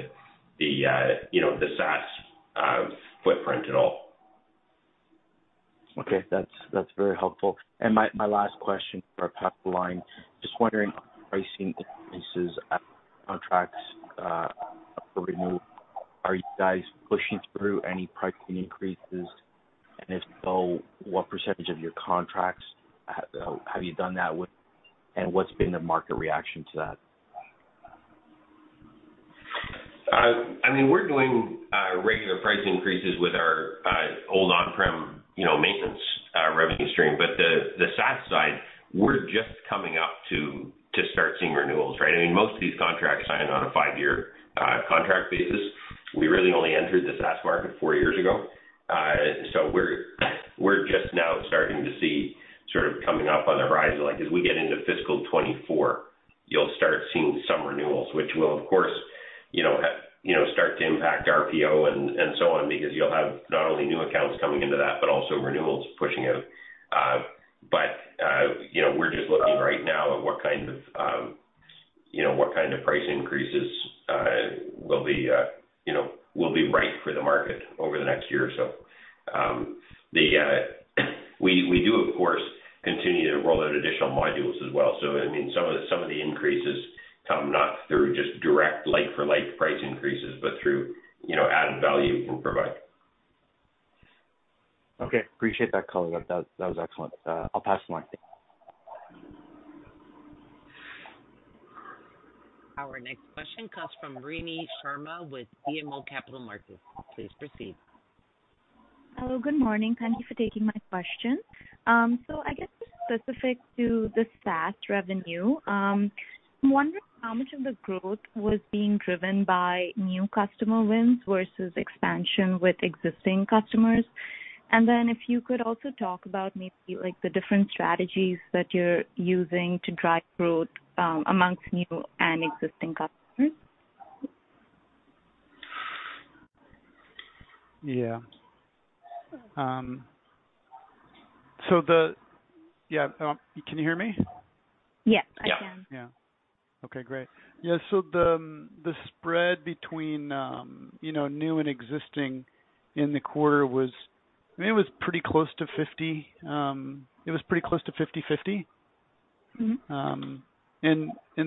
you know, the SaaS footprint at all. Okay. That's very helpful. My last question for pipeline, just wondering pricing increases as contracts up for renewal. Are you guys pushing through any pricing increases? If so, what percentage of your contracts have you done that with, and what's been the market reaction to that? I mean, we're doing regular price increases with our old on-prem, you know, maintenance revenue stream. The SaaS side, we're just coming up to start seeing renewals, right? I mean, most of these contracts signed on a 5-year contract basis. We really only entered the SaaS market four years ago. We're just now starting to see sort of coming up on the horizon, like as we get into fiscal 2024, you'll start seeing some renewals, which will of course, you know, have, you know, start to impact RPO and so on because you'll have not only new accounts coming into that, but also renewals pushing out. You know, we're just looking right now at what kinds of price increases will be, you know, will be right for the market over the next year or so. The, we do of course continue to roll out additional modules as well. I mean, some of the increases come not through just direct like for like price increases, but through, you know, added value we can provide. Okay. Appreciate that color. That was excellent. I'll pass the line. Thank you. Our next question comes from Ranjini Sharma with BMO Capital Markets. Please proceed. Hello, good morning. Thank you for taking my question. I guess just specific to the SaaS revenue, I'm wondering how much of the growth was being driven by new customer wins versus expansion with existing customers. If you could also talk about maybe like the different strategies that you're using to drive growth, amongst new and existing customers. Yeah, can you hear me? Yes, I can. Yeah. Okay, great. Yeah. The spread between, you know, new and existing in the quarter was, I mean, it was pretty close to 50. It was pretty close to 50/50.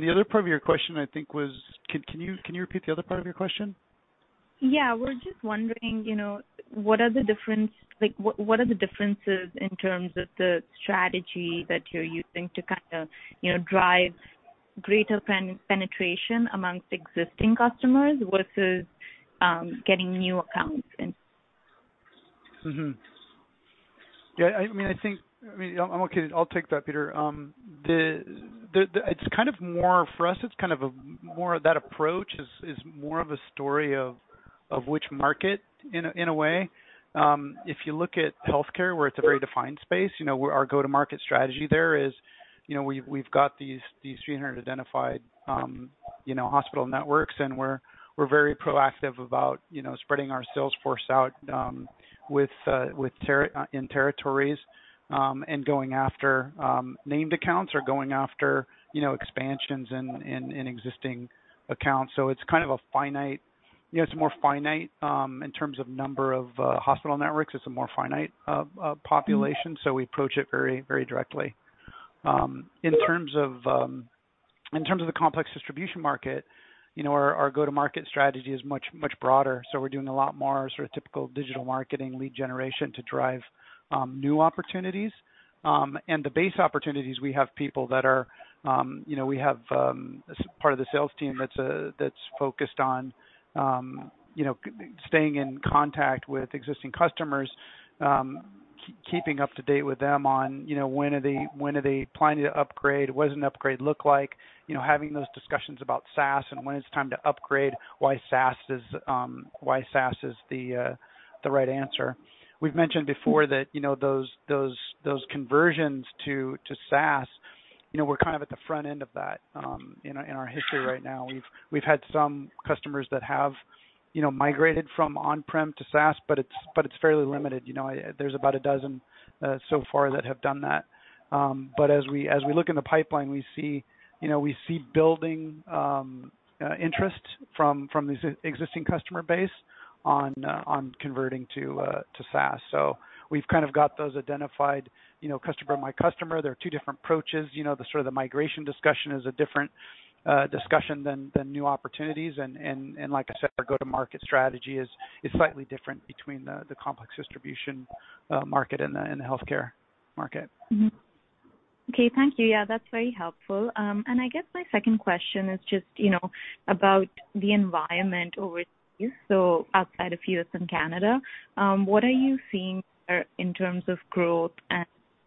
The other part of your question I think was, can you repeat the other part of your question? Yeah. We're just wondering, you know, what are the differences in terms of the strategy that you're using to kind of, you know, drive greater penetration amongst existing customers versus getting new accounts in? Yeah, I mean, I'm okay. I'll take that, Peter. For us, it's kind of a more of that approach is more of a story of which market in a way. If you look at healthcare where it's a very defined space, you know, where our go-to-market strategy there is, you know, we've got these 300 identified hospital networks, and we're very proactive about, you know, spreading our sales force out with in territories and going after named accounts or going after, you know, expansions in existing accounts. It's kind of a finite, you know, it's more finite in terms of number of hospital networks. It's a more finite population. We approach it very, very directly. In terms of the complex distribution market, you know, our go-to-market strategy is much broader. We're doing a lot more sort of typical digital marketing lead generation to drive new opportunities. The base opportunities, we have people that are-- you know, we have part of the sales team that's focused on, you know, staying in contact with existing customers, keeping up to date with them on, you know, when are they planning to upgrade? What does an upgrade look like? You know, having those discussions about SaaS and when it's time to upgrade, why SaaS is the right answer. We've mentioned before that, you know, those conversions to SaaS, you know, we're kind of at the front end of that in our history right now. We've had some customers that have, you know, migrated from on-prem to SaaS, but it's fairly limited. You know, there's about a dozen so far that have done that. As we look in the pipeline, we see building interest from the existing customer base on converting to SaaS. We've kind of got those identified, you know, customer by customer. There are two different approaches. You know, the sort of the migration discussion is a different discussion than new opportunities. Like I said, our go-to-market strategy is slightly different between the converging distribution market and the healthcare market. Okay. Thank you. Yeah, that's very helpful. I guess my second question is just, you know, about the environment overseas, so outside of U.S. and Canada. What are you seeing there in terms of growth?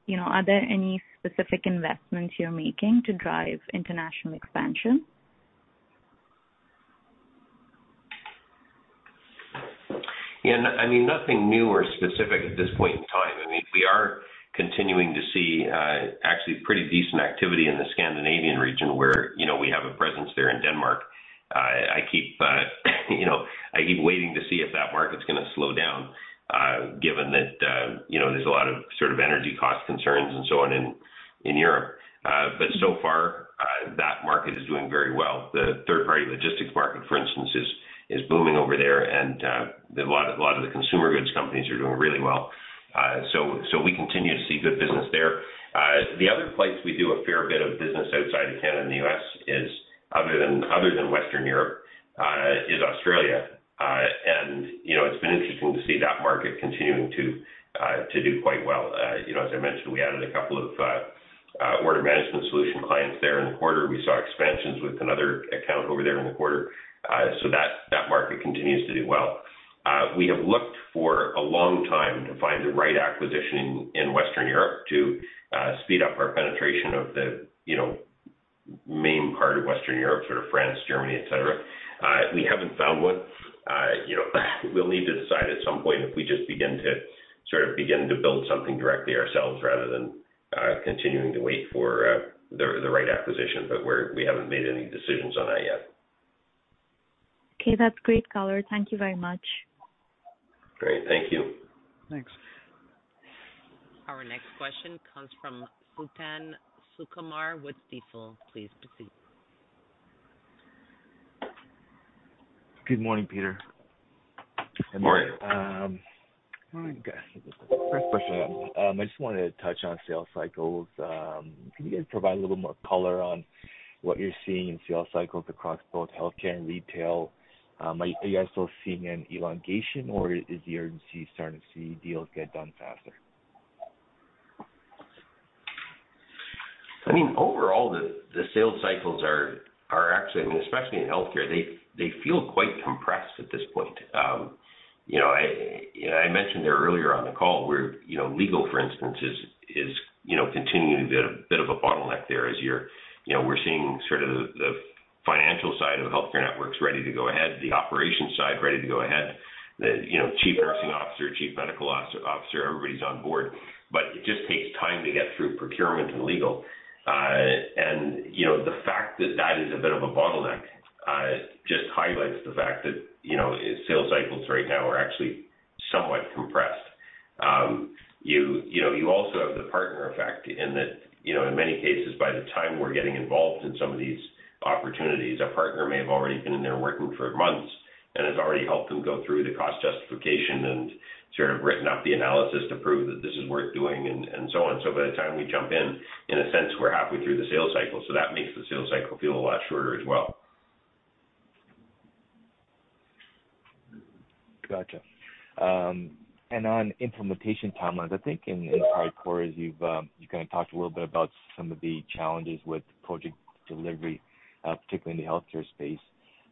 You know, are there any specific investments you're making to drive international expansion? Yeah. I mean, nothing new or specific at this point in time. I mean, we are continuing to see actually pretty decent activity in the Scandinavian region where, you know, we have a presence there in Denmark. I keep, you know, I keep waiting to see if that market's gonna slow down given that, you know, there's a lot of sort of energy cost concerns and so on in Europe. So far, that market is doing very well. The third-party logistics market, for instance, is booming over there. A lot of the consumer goods companies are doing really well. We continue to see good business there. The other place we do a fair bit of business outside of Canada and the U.S. is, other than, other than Western Europe, is Australia. You know, it's been interesting to see that market continuing to do quite well. You know, as I mentioned, we added two order management solution clients there in the quarter. We saw expansions with another account over there in the quarter. That market continues to do well. We have looked for a long time to find the right acquisition in Western Europe to speed up our penetration of the, you know, main part of Western Europe, sort of France, Germany, et cetera. We haven't found one. You know, we'll need to decide at some point if we just begin to build something directly ourselves rather than, continuing to wait for, the right acquisition. We haven't made any decisions on that yet. Okay. That's great color. Thank you very much. Great. Thank you. Thanks. Our next question comes from Suthan Sukumar with Stifel. Please proceed. Good morning, Peter. Morning. Well, I guess, first question, I just wanted to touch on sales cycles. Can you guys provide a little more color on what you're seeing in sales cycles across both healthcare and retail? Are you guys still seeing an elongation, or is the urgency starting to see deals get done faster? I mean, overall, the sales cycles are actually, I mean, especially in healthcare, they feel quite compressed at this point. You know, I mentioned there earlier on the call where, you know, legal, for instance, is, you know, continuing to be a bit of a bottleneck there. You know, we're seeing sort of the financial side of the healthcare networks ready to go ahead, the operations side ready to go ahead. The Chief Nursing Officer, Chief Medical Officer, everybody's on board. It just takes time to get through procurement and legal. You know, the fact that that is a bit of a bottleneck, just highlights the fact that, you know, sales cycles right now are actually somewhat compressed. You know, you also have the partner effect in that, you know, in many cases, by the time we're getting involved in some of these opportunities, a partner may have already been in there working for months and has already helped them go through the cost justification and sort of written up the analysis to prove that this is worth doing and so on. By the time we jump in a sense, we're halfway through the sales cycle. That makes the sales cycle feel a lot shorter as well. Got you. On implementation timelines, I think in prior quarters, you've, you kind of talked a little bit about some of the challenges with project delivery, particularly in the healthcare space.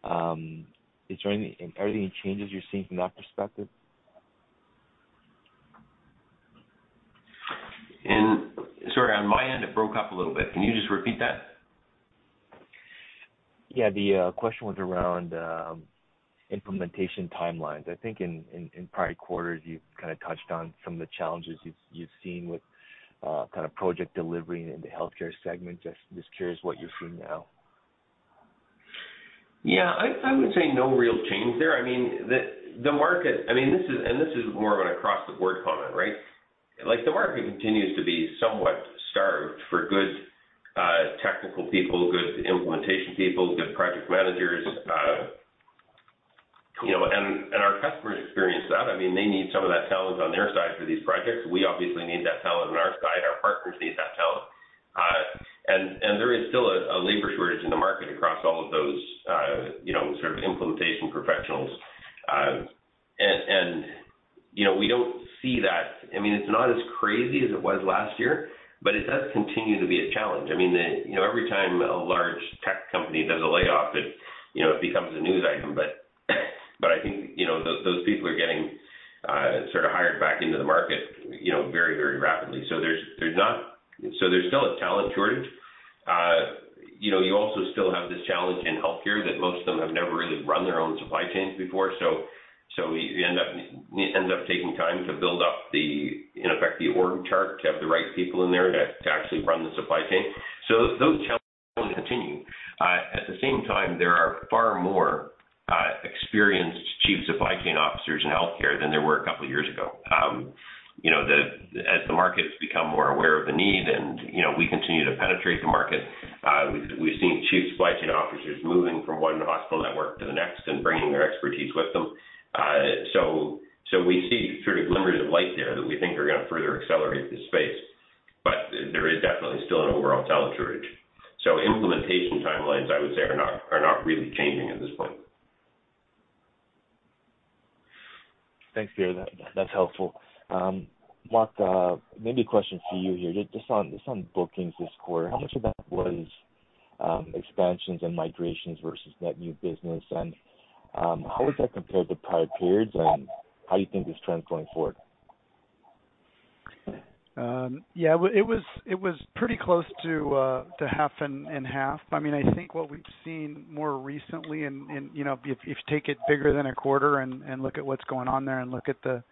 Are there any changes you're seeing from that perspective? Sorry, on my end, it broke up a little bit. Can you just repeat that? Yeah. The question was around implementation timelines. I think in prior quarters, you've kind of touched on some of the challenges you've seen with kind of project delivery in the Healthcare segment. Just curious what you're seeing now. I would say no real change there. I mean, the market. I mean, this is more of an across-the-board comment, right? Like, the market continues to be somewhat starved for good technical people, good implementation people, good project managers. You know, our customers experience that. I mean, they need some of that talent on their side for these projects. We obviously need that talent on our side. Our partners need that talent. There is still a labor shortage in the market across all of those, you know, sort of implementation professionals. You know, we don't see that. I mean, it's not as crazy as it was last year, but it does continue to be a challenge. I mean, the, you know, every time a large tech company does a layoff it, you know, it becomes a news item. I think, you know, those people are getting sort of hired back into the market, you know, very, very rapidly. There's still a talent shortage. You know, you also still have this challenge in healthcare that most of them have never really run their own supply chains before. It ends up taking time to build up the--in effect, the org chart, to have the right people in there to actually run the supply chain. Those challenges continue. At the same time, there are far more experienced Chief Supply Chain Officers in healthcare than there were a couple of years ago. You know, as the markets become more aware of the need and, you know, we continue to penetrate the market, we've seen Chief Supply Chain Officers moving from one hospital network to the next and bringing their expertise with them. We see sort of glimmers of light there that we think are gonna further accelerate this space. There is definitely still an overall talent shortage. Implementation timelines, I would say, are not really changing at this point. Thanks, Peter. That's helpful. Mark, maybe a question for you here. Just on bookings this quarter, how much of that was expansions and migrations versus net new business? How does that compare to prior periods, and how do you think this trends going forward? Yeah, well, it was pretty close to half and half. I mean, I think what we've seen more recently, you know, if you take it bigger than a quarter, look at what's going on there and look at the,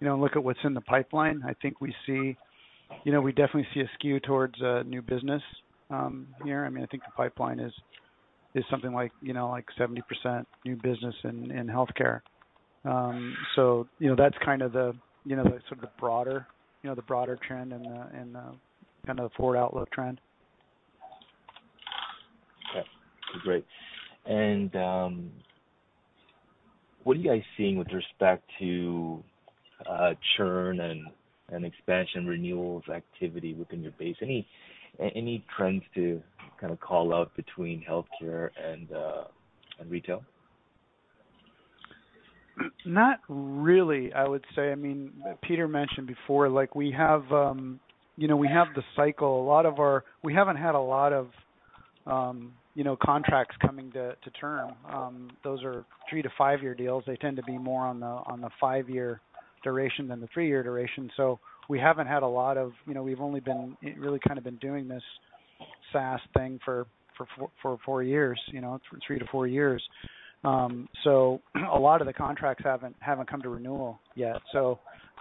you know, look at what's in the pipeline, I think we see, you know, we definitely see a skew towards new business here. I mean, I think the pipeline is something like, you know, like 70% new business in healthcare. You know, that's kind of the, you know, the sort of the broader, you know, the broader trend and the kind of the forward outlook trend. Okay. Great. What are you guys seeing with respect to churn and expansion renewals activity within your base? Any trends to kind of call out between healthcare and retail? Not really, I would say. I mean, Peter mentioned before, like we have, you know, we have the cycle. We haven't had a lot of, you know, contracts coming to term. Those are three-five year deals. They tend to be more on the five-year duration than the three-year duration. We haven't had a lot of, you know, we've only been, really kind of been doing this SaaS thing for four years, you know, three-four years. A lot of the contracts haven't come to renewal yet. You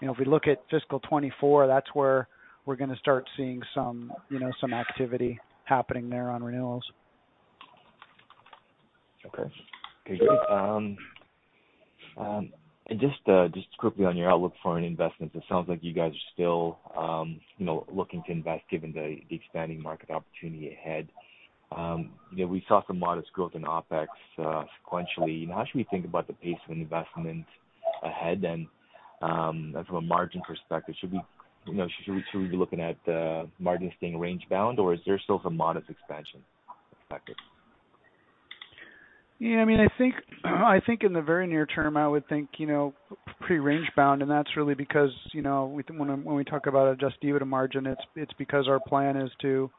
know, if we look at fiscal 2024, that's where we're gonna start seeing some, you know, some activity happening there on renewals. Okay, great. Just quickly on your outlook for any investments, it sounds like you guys are still, you know, looking to invest given the expanding market opportunity ahead. You know, we saw some modest growth in OpEx sequentially. How should we think about the pace of investment ahead? From a margin perspective, should we, you know, should we be looking at margins being range bound, or is there still some modest expansion expected? I mean, I think in the very near term, I would think, you know, pretty range bound. That's really because, you know, when we talk about adjusted EBITDA margin, it's because our plan is to,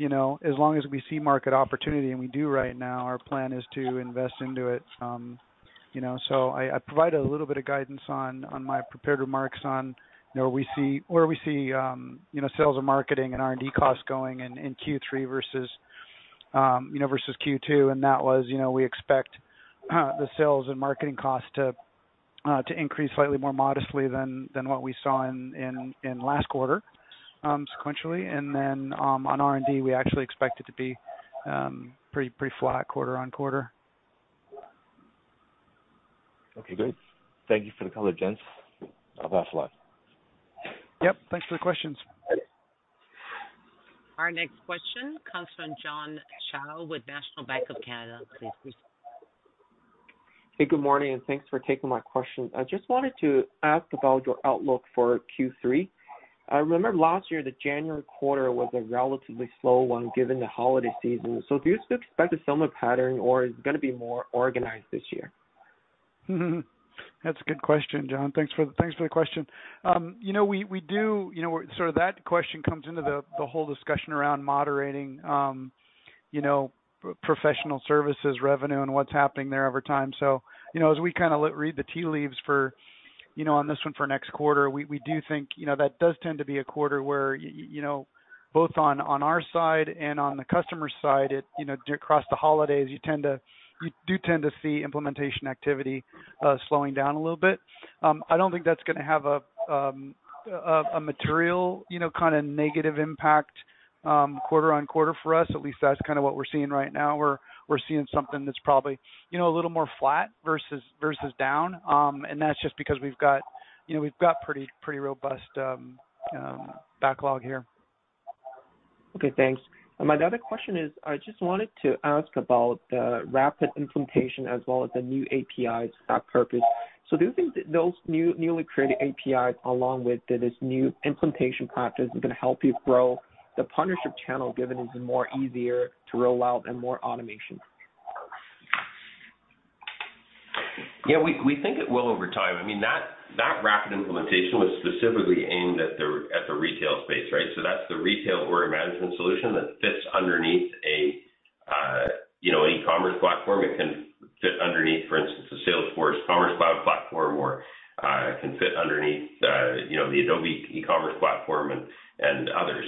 you know, as long as we see market opportunity, and we do right now, our plan is to invest into it, you know. I provided a little bit of guidance on my prepared remarks on, you know, where we see you know, sales and marketing and R&D costs going in Q3 versus, you know, versus Q2. That was, you know, we expect the sales and marketing costs to increase slightly more modestly than what we saw in last quarter, sequentially. On R&D, we actually expect it to be pretty flat quarter-on-quarter. Okay, good. Thank you for the color, gents. I'll pass along. Yeah. Thanks for the questions. Our next question comes from John Shao with National Bank of Canada. Please proceed. Hey, good morning, and thanks for taking my question. I just wanted to ask about your outlook for Q3. I remember last year, the January quarter was a relatively slow one given the holiday season. Do you still expect a similar pattern, or is it gonna be more organized this year? That's a good question, John. Thanks for, thanks for the question. You know, we do, you know, sort of that question comes into the whole discussion around moderating, you know, professional services revenue and what's happening there over time. You know, as we kind of read the tea leaves for, you know, on this one for next quarter, we do think, you know, that does tend to be a quarter where you know, both on our side and on the customer side, it, you know, across the holidays, you do tend to see implementation activity, slowing down a little bit. I don't think that's gonna have a material, you know, kind of negative impact, quarter-on-quarter for us. At least that's kind of what we're seeing right now. We're seeing something that's probably, you know, a little more flat versus down. That's just because we've got pretty robust backlog here. Okay, thanks. My other question is, I just wanted to ask about the rapid implementation as well as the new APIs for that purpose. Do you think that those new, newly created APIs along with this new implementation practice is gonna help you grow the partnership channel, given it's more easier to roll out and more automation? We think it will over time. I mean, that rapid implementation was specifically aimed at the retail space, right? That's the retail order management solution that fits underneath a, you know, e-commerce platform. It can fit underneath, for instance, the Salesforce Commerce Cloud platform or can fit underneath, you know, the Adobe e-commerce platform and others.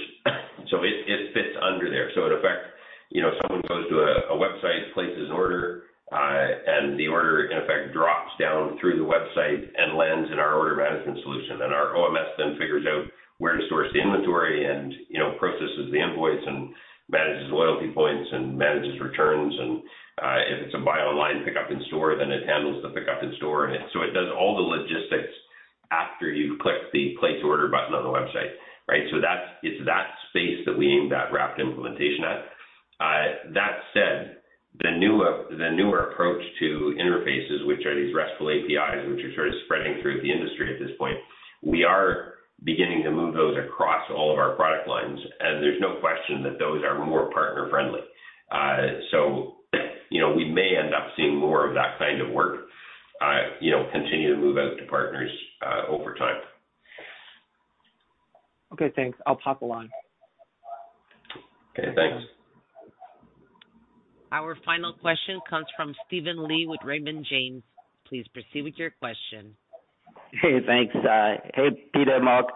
It fits under there. In effect, you know, someone goes to a website, places order, and the order in effect drops down through the website and lands in our order management solution. Our OMS then figures out where to source the inventory and, you know, processes the invoice and manages loyalty points, and manages returns. If it's a buy online pickup in store, then it handles the pickup in store. It does all the logistics after you've clicked the Place Order button on the website, right? It's that space that we aimed that rapid implementation at. That said, the newer approach to interfaces, which are these RESTful APIs, which are sort of spreading through the industry at this point, we are beginning to move those across all of our product lines, and there's no question that those are more partner friendly. You know, we may end up seeing more of that kind of work, you know, continue to move out to partners, over time. Okay, thanks. I'll pop along. Okay, thanks. Our final question comes from Steven Li with Raymond James. Please proceed with your question. Hey, thanks. Hey, Peter, Mark.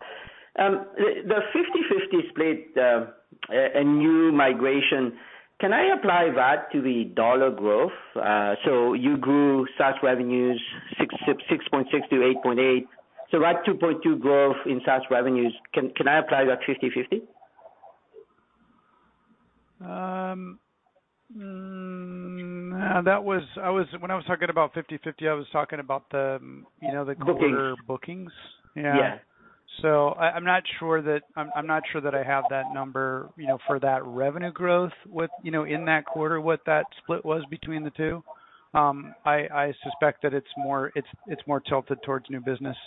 The 50/50 split, and new migration, can I apply that to the CAD growth? You grew such revenues 6.6-8.8. That 2.2 growth in such revenues, can I apply that 50/50? When I was talking about 50/50, I was talking about the, you know, the quarter-- Bookings. Bookings. Yeah. Yeah. I'm not sure that I have that number, you know, for that revenue growth with, you know, in that quarter, what that split was between the two. I suspect that it's more tilted towards new business.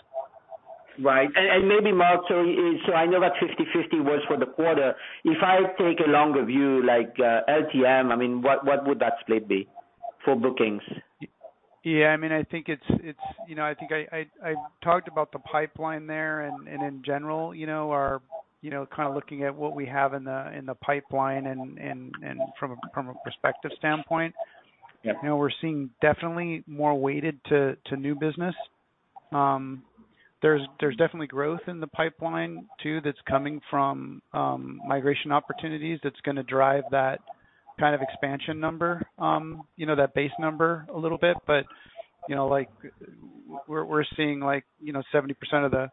Right. Maybe Mark, I know that 50/50 was for the quarter. If I take a longer view, like LTM, I mean, what would that split be for bookings? Yeah. I mean, I think it's, you know, I think I talked about the pipeline there and in general, you know, our, you know, kind of looking at what we have in the pipeline and from a perspective standpoint. Yeah. You know, we're seeing definitely more weighted to new business. There's, there's definitely growth in the pipeline too, that's coming from migration opportunities that's gonna drive that kind of expansion number, you know, that base number a little bit. You know, like we're seeing like, you know, 70% of the,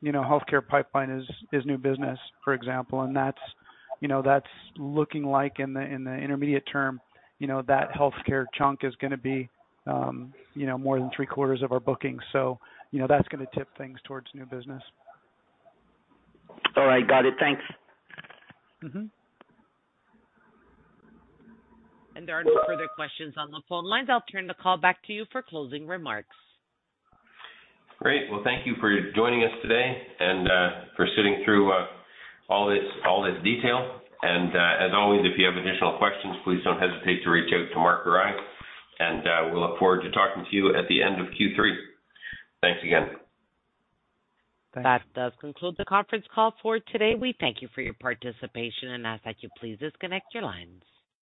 you know, healthcare pipeline is new business, for example. That's looking like in the, in the intermediate term, you know, that healthcare chunk is gonna be, you know, more than three quarters of our bookings. You know, that's gonna tip things towards new business. All right. Got it. Thanks. There are no further questions on the phone lines. I'll turn the call back to you for closing remarks. Great. Well, thank you for joining us today for sitting through all this detail. As always, if you have additional questions, please don't hesitate to reach out to Mark or I. We'll look forward to talking to you at the end of Q3. Thanks again. Thanks. That does conclude the conference call for today. We thank you for your participation and ask that you please disc onnect your lines.